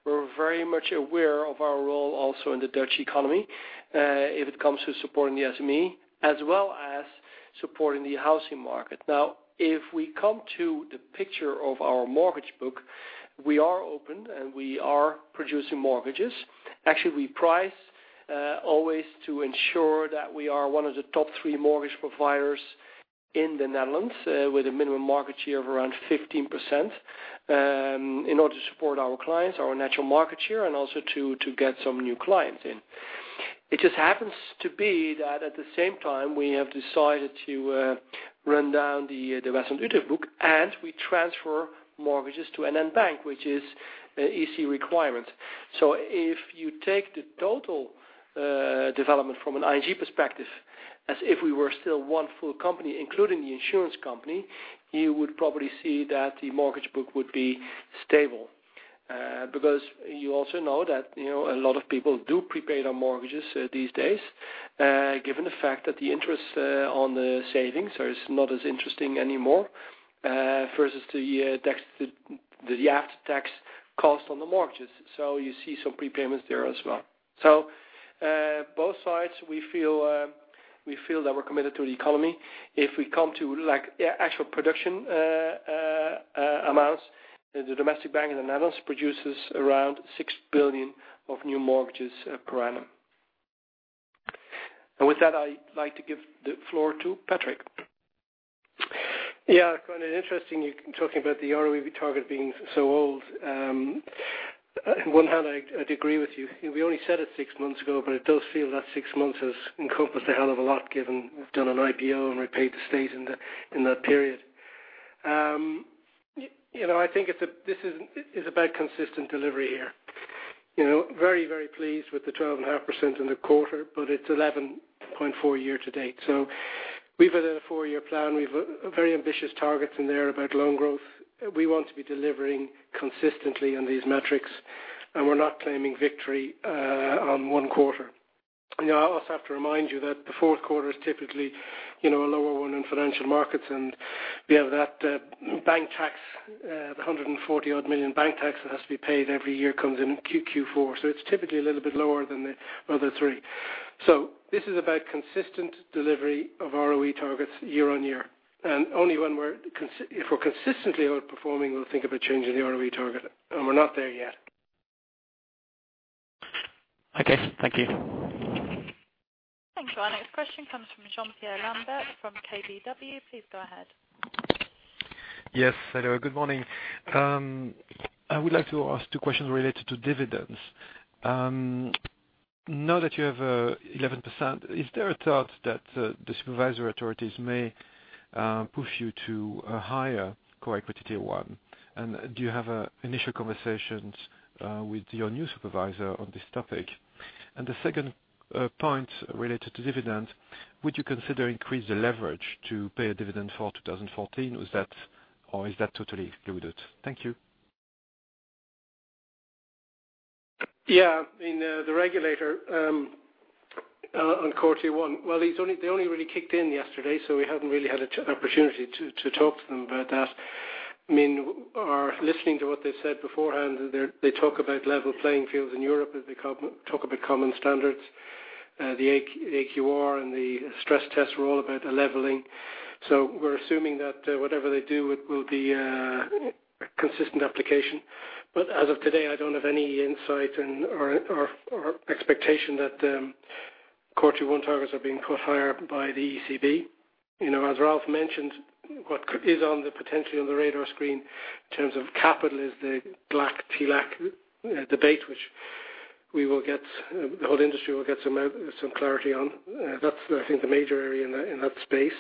S2: We're very much aware of our role also in the Dutch economy, if it comes to supporting the SME, as well as supporting the housing market. Now, if we come to the picture of our mortgage book, we are open and we are producing mortgages. Actually, we price always to ensure that we are one of the top three mortgage providers in the Netherlands, with a minimum market share of around 15%, in order to support our clients, our natural market share, and also to get some new clients in. It just happens to be that at the same time, we have decided to run down the residential book and we transfer mortgages to NN Bank, which is an EC requirement. If you take the total development from an ING perspective, as if we were still one full company, including the insurance company, you would probably see that the mortgage book would be stable. You also know that a lot of people do prepay their mortgages these days, given the fact that the interest on the savings are not as interesting anymore, versus the after-tax cost on the mortgages. You see some prepayments there as well. Both sides, we feel that we're committed to the economy. If we come to actual production amounts, the domestic bank in the Netherlands produces around 6 billion of new mortgages per annum. With that, I'd like to give the floor to Patrick.
S5: Yeah, kind of interesting you talking about the ROE target being so old. On one hand, I'd agree with you. We only set it 6 months ago, but it does feel that 6 months has encompassed a hell of a lot, given we've done an IPO and repaid the state in that period. I think it's about consistent delivery here. Very pleased with the 12.5% in the quarter, but it's 11.4% year-to-date. We've a 4-year plan. We've very ambitious targets in there about loan growth. We want to be delivering consistently on these metrics, and we're not claiming victory on 1 quarter. I also have to remind you that the fourth quarter is typically a lower one in financial markets, and we have that bank tax, the 140 million bank tax that has to be paid every year comes in Q4. It's typically a little bit lower than the other 3. This is about consistent delivery of ROE targets year-on-year. Only if we're consistently outperforming, we'll think of a change in the ROE target, and we're not there yet.
S11: Okay. Thank you.
S3: Thank you. Our next question comes from Jean-Pierre Lambert from KBW. Please go ahead.
S12: Yes. Hello, good morning. I would like to ask two questions related to dividends. Now that you have 11%, is there a thought that the supervisor authorities may push you to a higher Core Tier 1? Do you have initial conversations with your new supervisor on this topic? The second point related to dividend, would you consider increasing the leverage to pay a dividend for 2014? Is that totally excluded? Thank you.
S5: Yeah. The regulator on Core Tier 1. Well, they only really kicked in yesterday, so we haven't really had an opportunity to talk to them about that. Listening to what they said beforehand, they talk about level playing fields in Europe as they talk about common standards. The AQR and the stress tests were all about a leveling. We're assuming that whatever they do, it will be a consistent application. As of today, I don't have any insight or expectation that Core Tier 1 targets are being put higher by the ECB. As Ralph mentioned, what is potentially on the radar screen in terms of capital is the GLAC/TLAC debate, which the whole industry will get some clarity on. That's I think the major area in that space.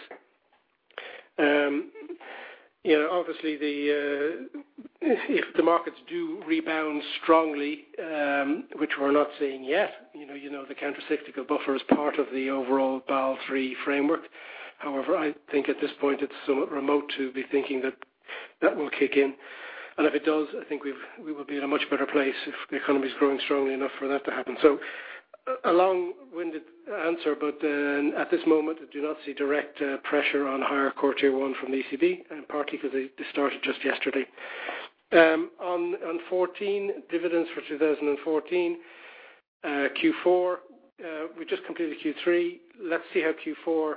S5: Obviously, if the markets do rebound strongly, which we're not seeing yet, the countercyclical buffer is part of the overall Basel III framework. However, I think at this point it's somewhat remote to be thinking that that will kick in. If it does, I think we will be in a much better place if the economy's growing strongly enough for that to happen. A long-winded answer, but at this moment, I do not see direct pressure on higher Core Tier 1 from the ECB, partly because they started just yesterday. On 14, dividends for 2014. Q4, we just completed Q3. Let's see how Q4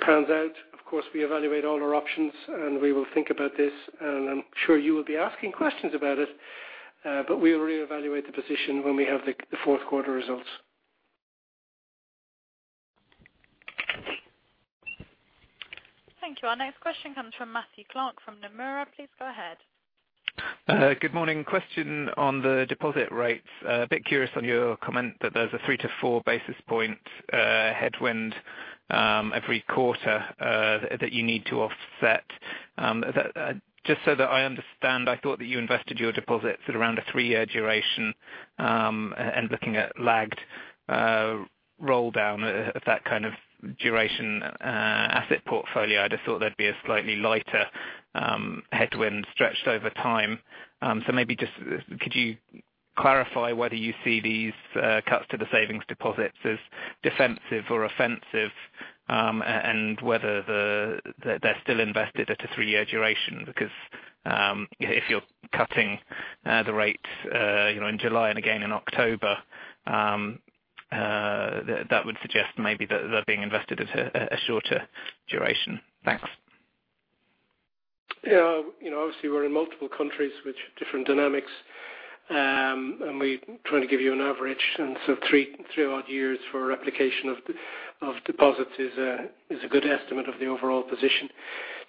S5: pans out. Of course, we evaluate all our options, and we will think about this, and I'm sure you will be asking questions about it, but we'll reevaluate the position when we have the fourth quarter results.
S3: Thank you. Our next question comes from Matthew Clark from Nomura. Please go ahead.
S13: Good morning. Question on the deposit rates. A bit curious on your comment that there's a 3 to 4 basis points headwind every quarter that you need to offset. Just so that I understand, I thought that you invested your deposits at around a 3-year duration, and looking at lagged roll down of that kind of duration asset portfolio, I'd have thought there'd be a slightly lighter headwind stretched over time. Maybe just could you clarify whether you see these cuts to the savings deposits as defensive or offensive? And whether they're still invested at a 3-year duration. Because if you're cutting the rates in July and again in October, that would suggest maybe that they're being invested at a shorter duration. Thanks.
S5: Yeah. Obviously, we're in multiple countries with different dynamics, and we try to give you an average. 3 odd years for replication of deposits is a good estimate of the overall position.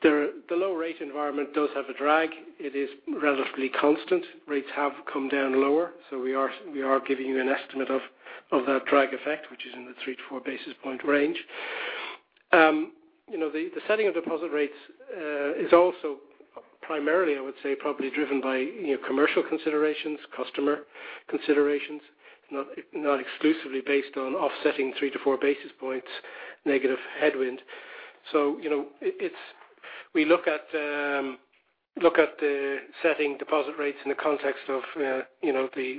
S5: The low rate environment does have a drag. It is relatively constant. Rates have come down lower. We are giving you an estimate of that drag effect, which is in the 3 to 4 basis points range. The setting of deposit rates is also primarily, I would say, probably driven by commercial considerations, customer considerations, not exclusively based on offsetting 3 to 4 basis points negative headwind. We look at the setting deposit rates in the context of the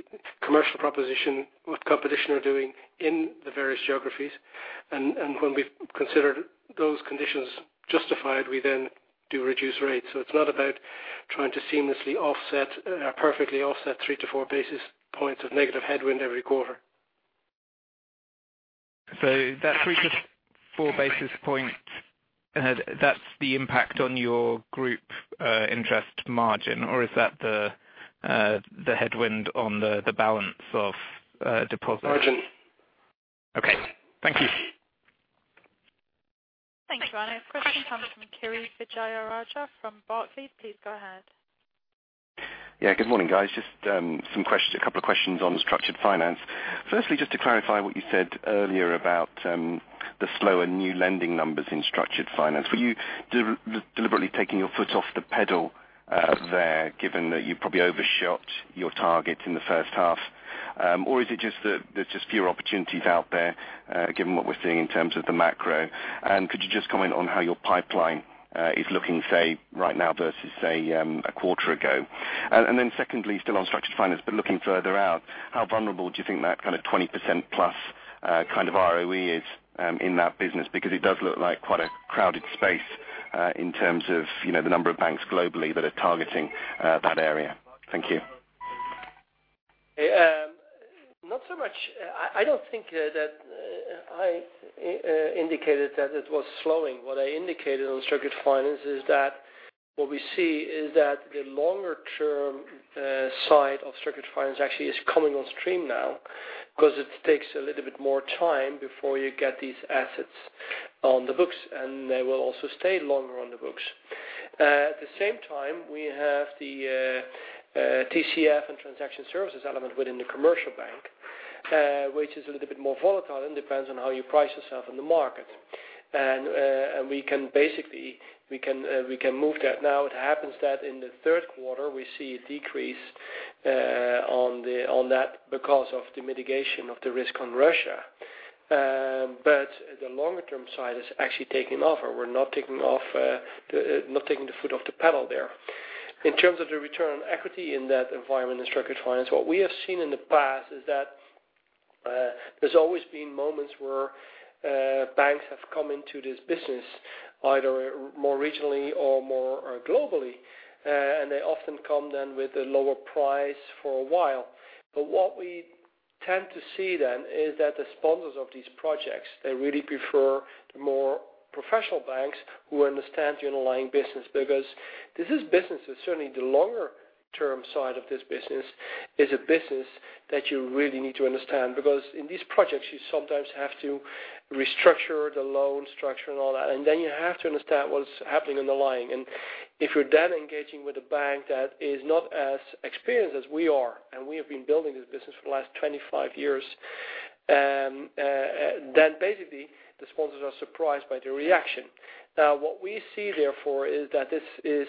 S5: commercial proposition, what competition are doing in the various geographies. When we've considered those conditions justified, we then do reduce rates. It's not about trying to seamlessly offset or perfectly offset 3 to 4 basis points of negative headwind every quarter.
S13: That 3 to 4 basis points, that's the impact on your group interest margin, or is that the headwind on the balance of deposits?
S5: Margin.
S13: Okay. Thank you.
S3: Thanks, Ryan. A question comes from Kirishanthan Vijayarajah from Barclays. Please go ahead.
S14: Yeah. Good morning, guys. Just a couple of questions on structured finance. Firstly, just to clarify what you said earlier about the slower new lending numbers in structured finance. Were you deliberately taking your foot off the pedal there, given that you probably overshot your target in the first half, or is it just that there's just fewer opportunities out there, given what we're seeing in terms of the macro? Could you just comment on how your pipeline is looking, say, right now versus, say, a quarter ago? Secondly, still on structured finance, but looking further out, how vulnerable do you think that kind of 20%+ kind of ROE is in that business? Because it does look like quite a crowded space in terms of the number of banks globally that are targeting that area. Thank you.
S2: Not so much. I don't think that I indicated that it was slowing. What I indicated on structured finance is that what we see is that the longer-term side of structured finance actually is coming on stream now because it takes a little bit more time before you get these assets on the books, and they will also stay longer on the books. At the same time, we have the TCF and transaction services element within the Commercial Banking, which is a little bit more volatile and depends on how you price yourself in the market. We can move that. Now it happens that in the third quarter, we see a decrease on that because of the mitigation of the risk on Russia. The longer-term side is actually taking off, or we're not taking the foot off the pedal there. In terms of the return on equity in that environment, in structured finance, what we have seen in the past is that there's always been moments where banks have come into this business, either more regionally or more globally, and they often come then with a lower price for a while. What we tend to see then is that the sponsors of these projects, they really prefer the more professional banks who understand the underlying business. Because this business, certainly the longer-term side of this business, is a business that you really need to understand. Because in these projects, you sometimes have to restructure the loan structure and all that, and then you have to understand what is happening underlying. If you're then engaging with a bank that is not as experienced as we are, and we have been building this business for the last 25 years Basically, the sponsors are surprised by the reaction. What we see therefore is that this is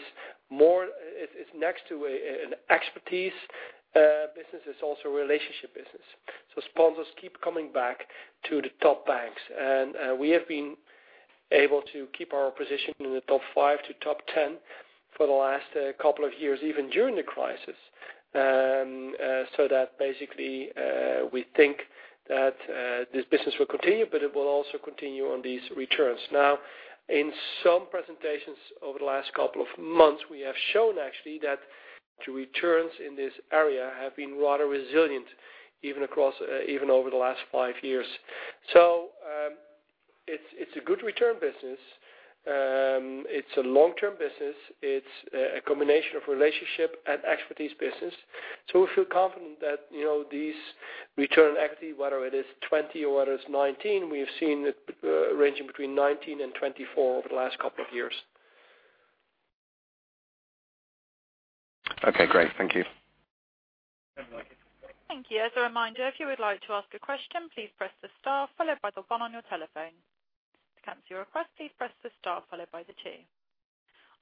S2: next to an expertise business, it's also a relationship business. Sponsors keep coming back to the top banks. We have been able to keep our position in the top five to top 10 for the last couple of years, even during the crisis. That basically, we think that this business will continue, but it will also continue on these returns. In some presentations over the last couple of months, we have shown actually that the returns in this area have been rather resilient, even over the last five years. It's a good return business. It's a long-term business. It's a combination of relationship and expertise business. We feel confident that these return equity, whether it is 20% or whether it's 19%, we have seen it ranging between 19%-24% over the last couple of years.
S14: Okay, great. Thank you.
S3: Thank you. As a reminder, if you would like to ask a question, please press the star followed by the one on your telephone. To cancel your request, please press the star followed by the two.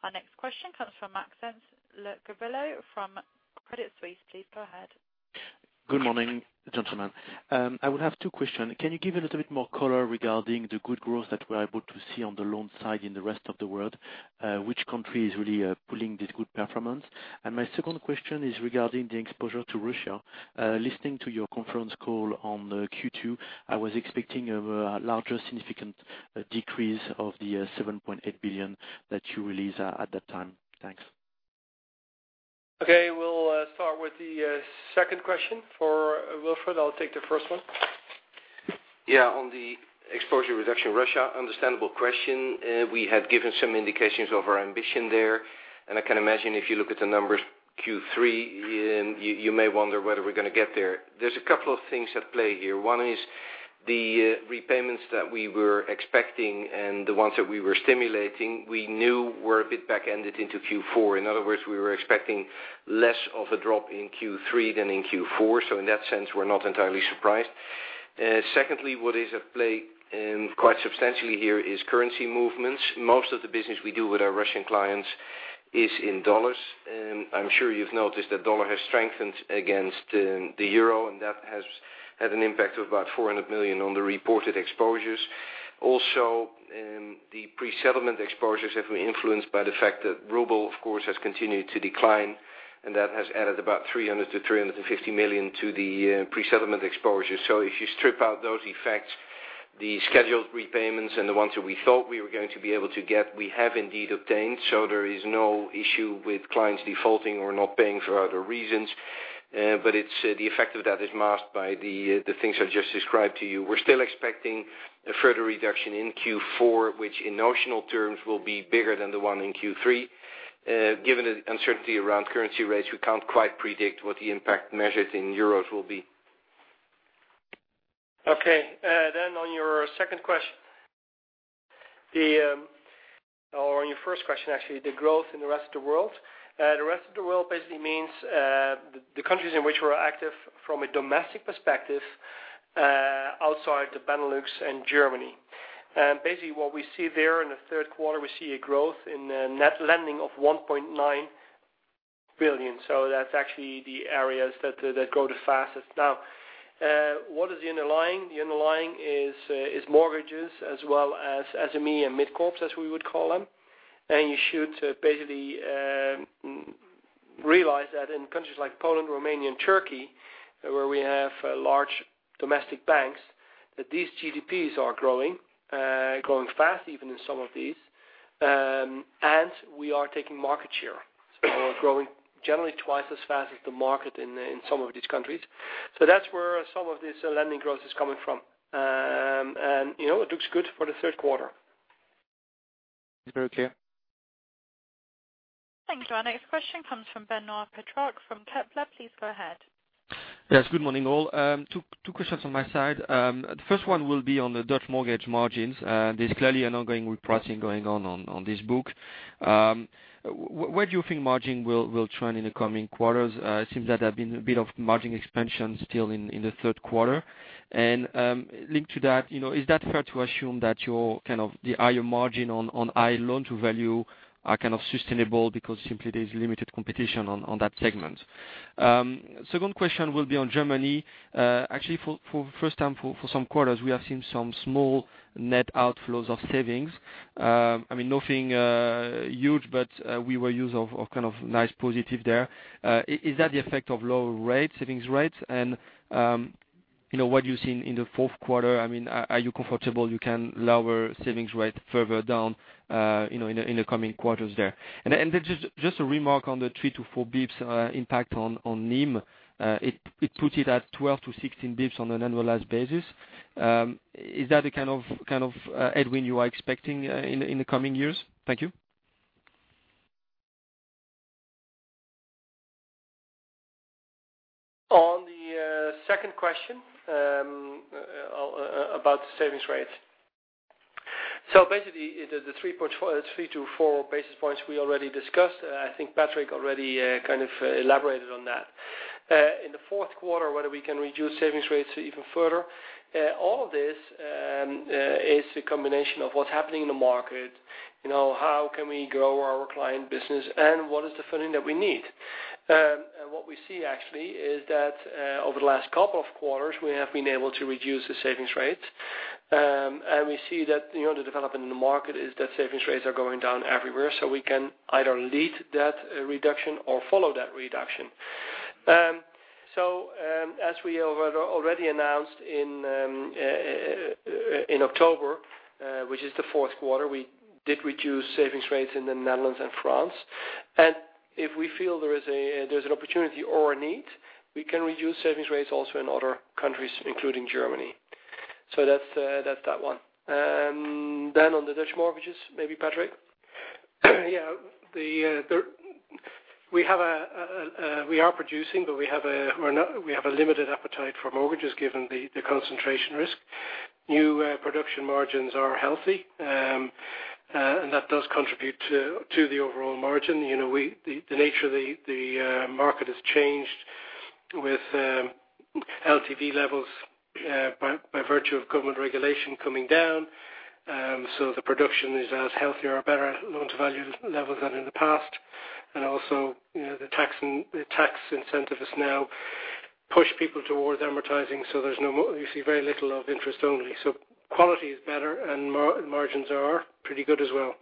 S3: Our next question comes from Maxence Le Gouvello from Credit Suisse. Please go ahead.
S15: Good morning, gentlemen. I would have two question. Can you give a little bit more color regarding the good growth that we're able to see on the loan side in the rest of the world? Which country is really pulling this good performance? My second question is regarding the exposure to Russia. Listening to your conference call on Q2, I was expecting a larger significant decrease of the 7.8 billion that you released at that time. Thanks.
S2: Okay. We'll start with the second question for Wilfred. I'll take the first one.
S8: Yeah. On the exposure reduction Russia, understandable question. We had given some indications of our ambition there. I can imagine if you look at the numbers Q3, you may wonder whether we're going to get there. There's a couple of things at play here. One is the repayments that we were expecting and the ones that we were stimulating, we knew were a bit back-ended into Q4. In other words, we were expecting less of a drop in Q3 than in Q4. In that sense, we're not entirely surprised. Secondly, what is at play quite substantially here is currency movements. Most of the business we do with our Russian clients is in U.S. dollars. I'm sure you've noticed the U.S. dollar has strengthened against the EUR. That has had an impact of about 400 million on the reported exposures. The pre-settlement exposures have been influenced by the fact that ruble, of course, has continued to decline, and that has added about 300 million-350 million to the pre-settlement exposure. If you strip out those effects, the scheduled repayments and the ones that we thought we were going to be able to get, we have indeed obtained. There is no issue with clients defaulting or not paying for other reasons. The effect of that is masked by the things I just described to you. We're still expecting a further reduction in Q4, which in notional terms will be bigger than the one in Q3. Given the uncertainty around currency rates, we can't quite predict what the impact measured in EUR will be.
S2: On your second question. On your first question, actually, the growth in the rest of the world. The rest of the world basically means the countries in which we're active from a domestic perspective outside the Benelux and Germany. What we see there in the third quarter, we see a growth in net lending of 1.9 billion. That's actually the areas that grow the fastest. What is the underlying? The underlying is mortgages as well as SME and mid-corps, as we would call them. You should realize that in countries like Poland, Romania, and Turkey, where we have large domestic banks, that these GDPs are growing fast, even in some of these. We are taking market share. We're growing generally twice as fast as the market in some of these countries. That's where some of this lending growth is coming from. It looks good for the third quarter.
S15: Very clear.
S3: Thanks. Our next question comes from Benoit Petrarque from Kepler. Please go ahead.
S16: Yes, good morning, all. Two questions on my side. The first one will be on the Dutch mortgage margins. There is clearly an ongoing repricing going on this book. Where do you think margin will trend in the coming quarters? It seems that there have been a bit of margin expansion still in the third quarter. Linked to that, is that fair to assume that your higher margin on higher loan-to-value are sustainable because simply there is limited competition on that segment? Second question will be on Germany. For first time for some quarters, we have seen some small net outflows of savings. Nothing huge, but we were used of nice positive there. Is that the effect of low savings rates? What you've seen in the fourth quarter, are you comfortable you can lower savings rate further down in the coming quarters there? Just a remark on the 3 to 4 basis points impact on NIM. It put it at 12 to 16 basis points on an annualized basis. Is that the kind of, headwind, you are expecting in the coming years? Thank you.
S2: On the second question about the savings rate. Basically, the 3 to 4 basis points we already discussed, I think Patrick already kind of elaborated on that. In the fourth quarter, whether we can reduce savings rates even further. All of this is a combination of what's happening in the market, how can we grow our client business, and what is the funding that we need. What we see actually is that, over the last couple of quarters, we have been able to reduce the savings rates. We see that the development in the market is that savings rates are going down everywhere, so we can either lead that reduction or follow that reduction. As we have already announced in October, which is the fourth quarter, we did reduce savings rates in the Netherlands and France. If we feel there's an opportunity or a need, we can reduce savings rates also in other countries, including Germany. That's that one. On the Dutch mortgages, maybe Patrick.
S5: We are producing, but we have a limited appetite for mortgages given the concentration risk. New production margins are healthy, that does contribute to the overall margin. The nature of the market has changed with LTV levels by virtue of government regulation coming down. The production is as healthy or better loan-to-value levels than in the past. Also, the tax incentive has now pushed people towards amortizing, you see very little of interest only. Quality is better and margins are pretty good as well.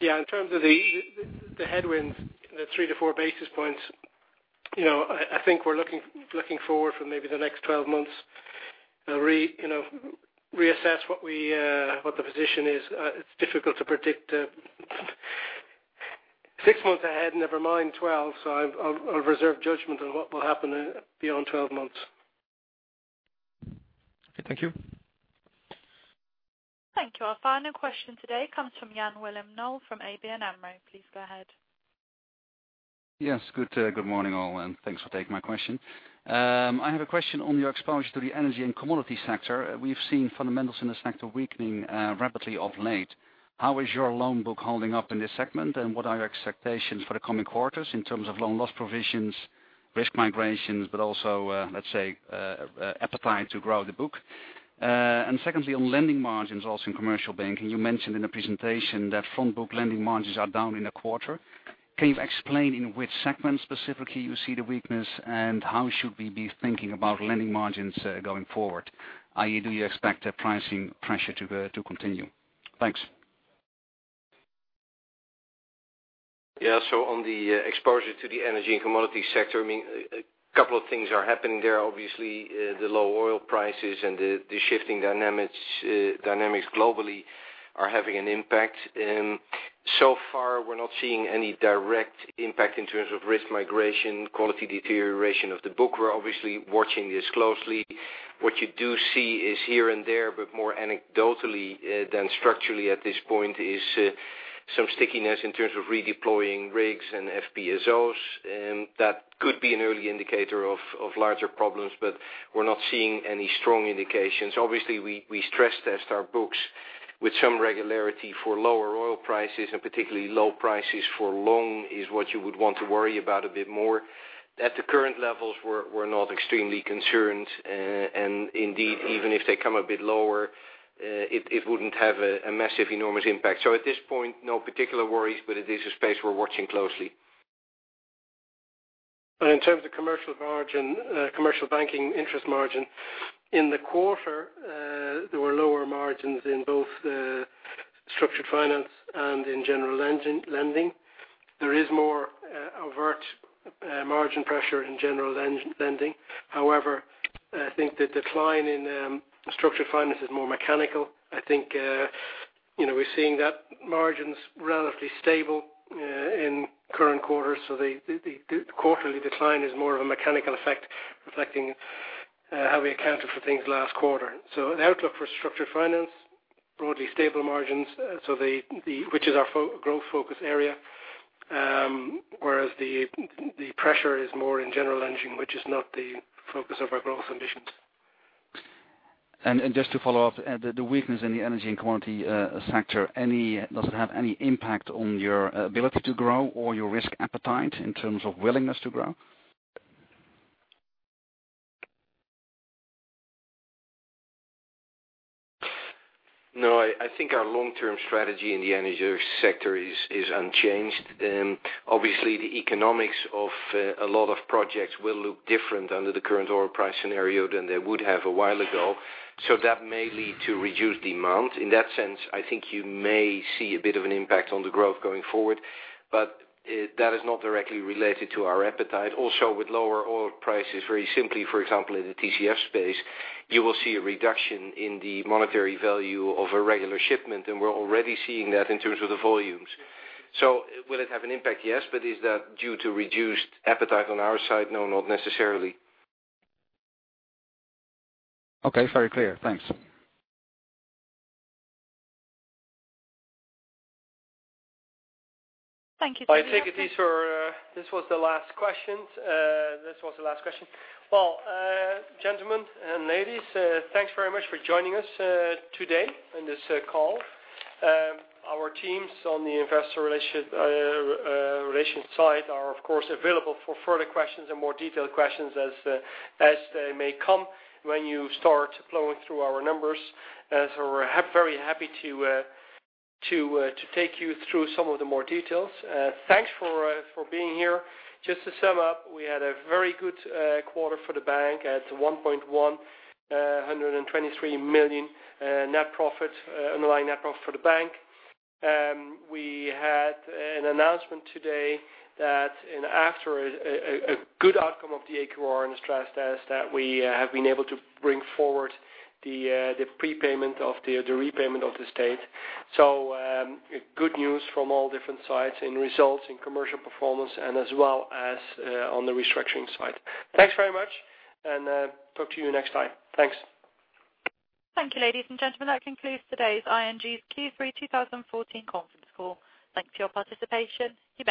S5: In terms of the headwinds, the three to four basis points, I think we're looking forward for maybe the next 12 months, reassess what the position is. It's difficult to predict six months ahead, never mind 12. I'll reserve judgment on what will happen beyond 12 months.
S16: Thank you.
S3: Thank you. Our final question today comes from Jan Willem Knoll from ABN AMRO. Please go ahead.
S17: Yes. Good morning, all, and thanks for taking my question. I have a question on your exposure to the energy and commodity sector. We've seen fundamentals in the sector weakening rapidly of late. How is your loan book holding up in this segment, and what are your expectations for the coming quarters in terms of loan loss provisions, risk migrations, but also, let's say, appetite to grow the book? Secondly, on lending margins, also in Commercial Banking, you mentioned in the presentation that front book lending margins are down in the quarter. Can you explain in which segment specifically you see the weakness, and how should we be thinking about lending margins going forward, i.e., do you expect the pricing pressure to continue? Thanks.
S8: On the exposure to the energy and commodity sector, a couple of things are happening there. Obviously, the low oil prices and the shifting dynamics globally are having an impact. So far, we're not seeing any direct impact in terms of risk migration, quality deterioration of the book. We're obviously watching this closely. What you do see is here and there, but more anecdotally than structurally at this point, is some stickiness in terms of redeploying rigs and FPSOs, and that could be an early indicator of larger problems. We're not seeing any strong indications. Obviously, we stress test our books with some regularity for lower oil prices, and particularly low prices for long is what you would want to worry about a bit more. At the current levels, we're not extremely concerned, and indeed, even if they come a bit lower, it wouldn't have a massive, enormous impact. At this point, no particular worries, but it is a space we're watching closely.
S5: In terms of Commercial Banking interest margin, in the quarter, there were lower margins in both the structured finance and in general lending. There is more overt margin pressure in general lending. However, I think the decline in structured finance is more mechanical. I think we're seeing that margin's relatively stable in current quarter. The quarterly decline is more of a mechanical effect, reflecting how we accounted for things last quarter. The outlook for structured finance, broadly stable margins, which is our growth focus area, whereas the pressure is more in general lending, which is not the focus of our growth ambitions.
S17: Just to follow up, the weakness in the energy and commodity sector, does it have any impact on your ability to grow or your risk appetite in terms of willingness to grow?
S8: No, I think our long-term strategy in the energy sector is unchanged. Obviously, the economics of a lot of projects will look different under the current oil price scenario than they would have a while ago. That may lead to reduced demand. In that sense, I think you may see a bit of an impact on the growth going forward. That is not directly related to our appetite. With lower oil prices, very simply, for example, in the TCF space, you will see a reduction in the monetary value of a regular shipment, and we're already seeing that in terms of the volumes. Will it have an impact? Yes. Is that due to reduced appetite on our side? No, not necessarily.
S17: Okay. Very clear. Thanks.
S3: Thank you.
S2: I take it this was the last question. Well, gentlemen and ladies, thanks very much for joining us today on this call. Our teams on the investor relations side are, of course, available for further questions and more detailed questions as they may come when you start plowing through our numbers, as we're very happy to take you through some of the more details. Thanks for being here. Just to sum up, we had a very good quarter for the bank at 1.123 million net profit, underlying net profit for the bank. We had an announcement today that after a good outcome of the AQR and the stress test, that we have been able to bring forward the prepayment of the repayment of the state. So good news from all different sides in results, in commercial performance, and as well as on the restructuring side. Thanks very much, and talk to you next time. Thanks.
S3: Thank you, ladies and gentlemen. That concludes today's ING's Q3 2014 conference call. Thanks for your participation. You may disconnect.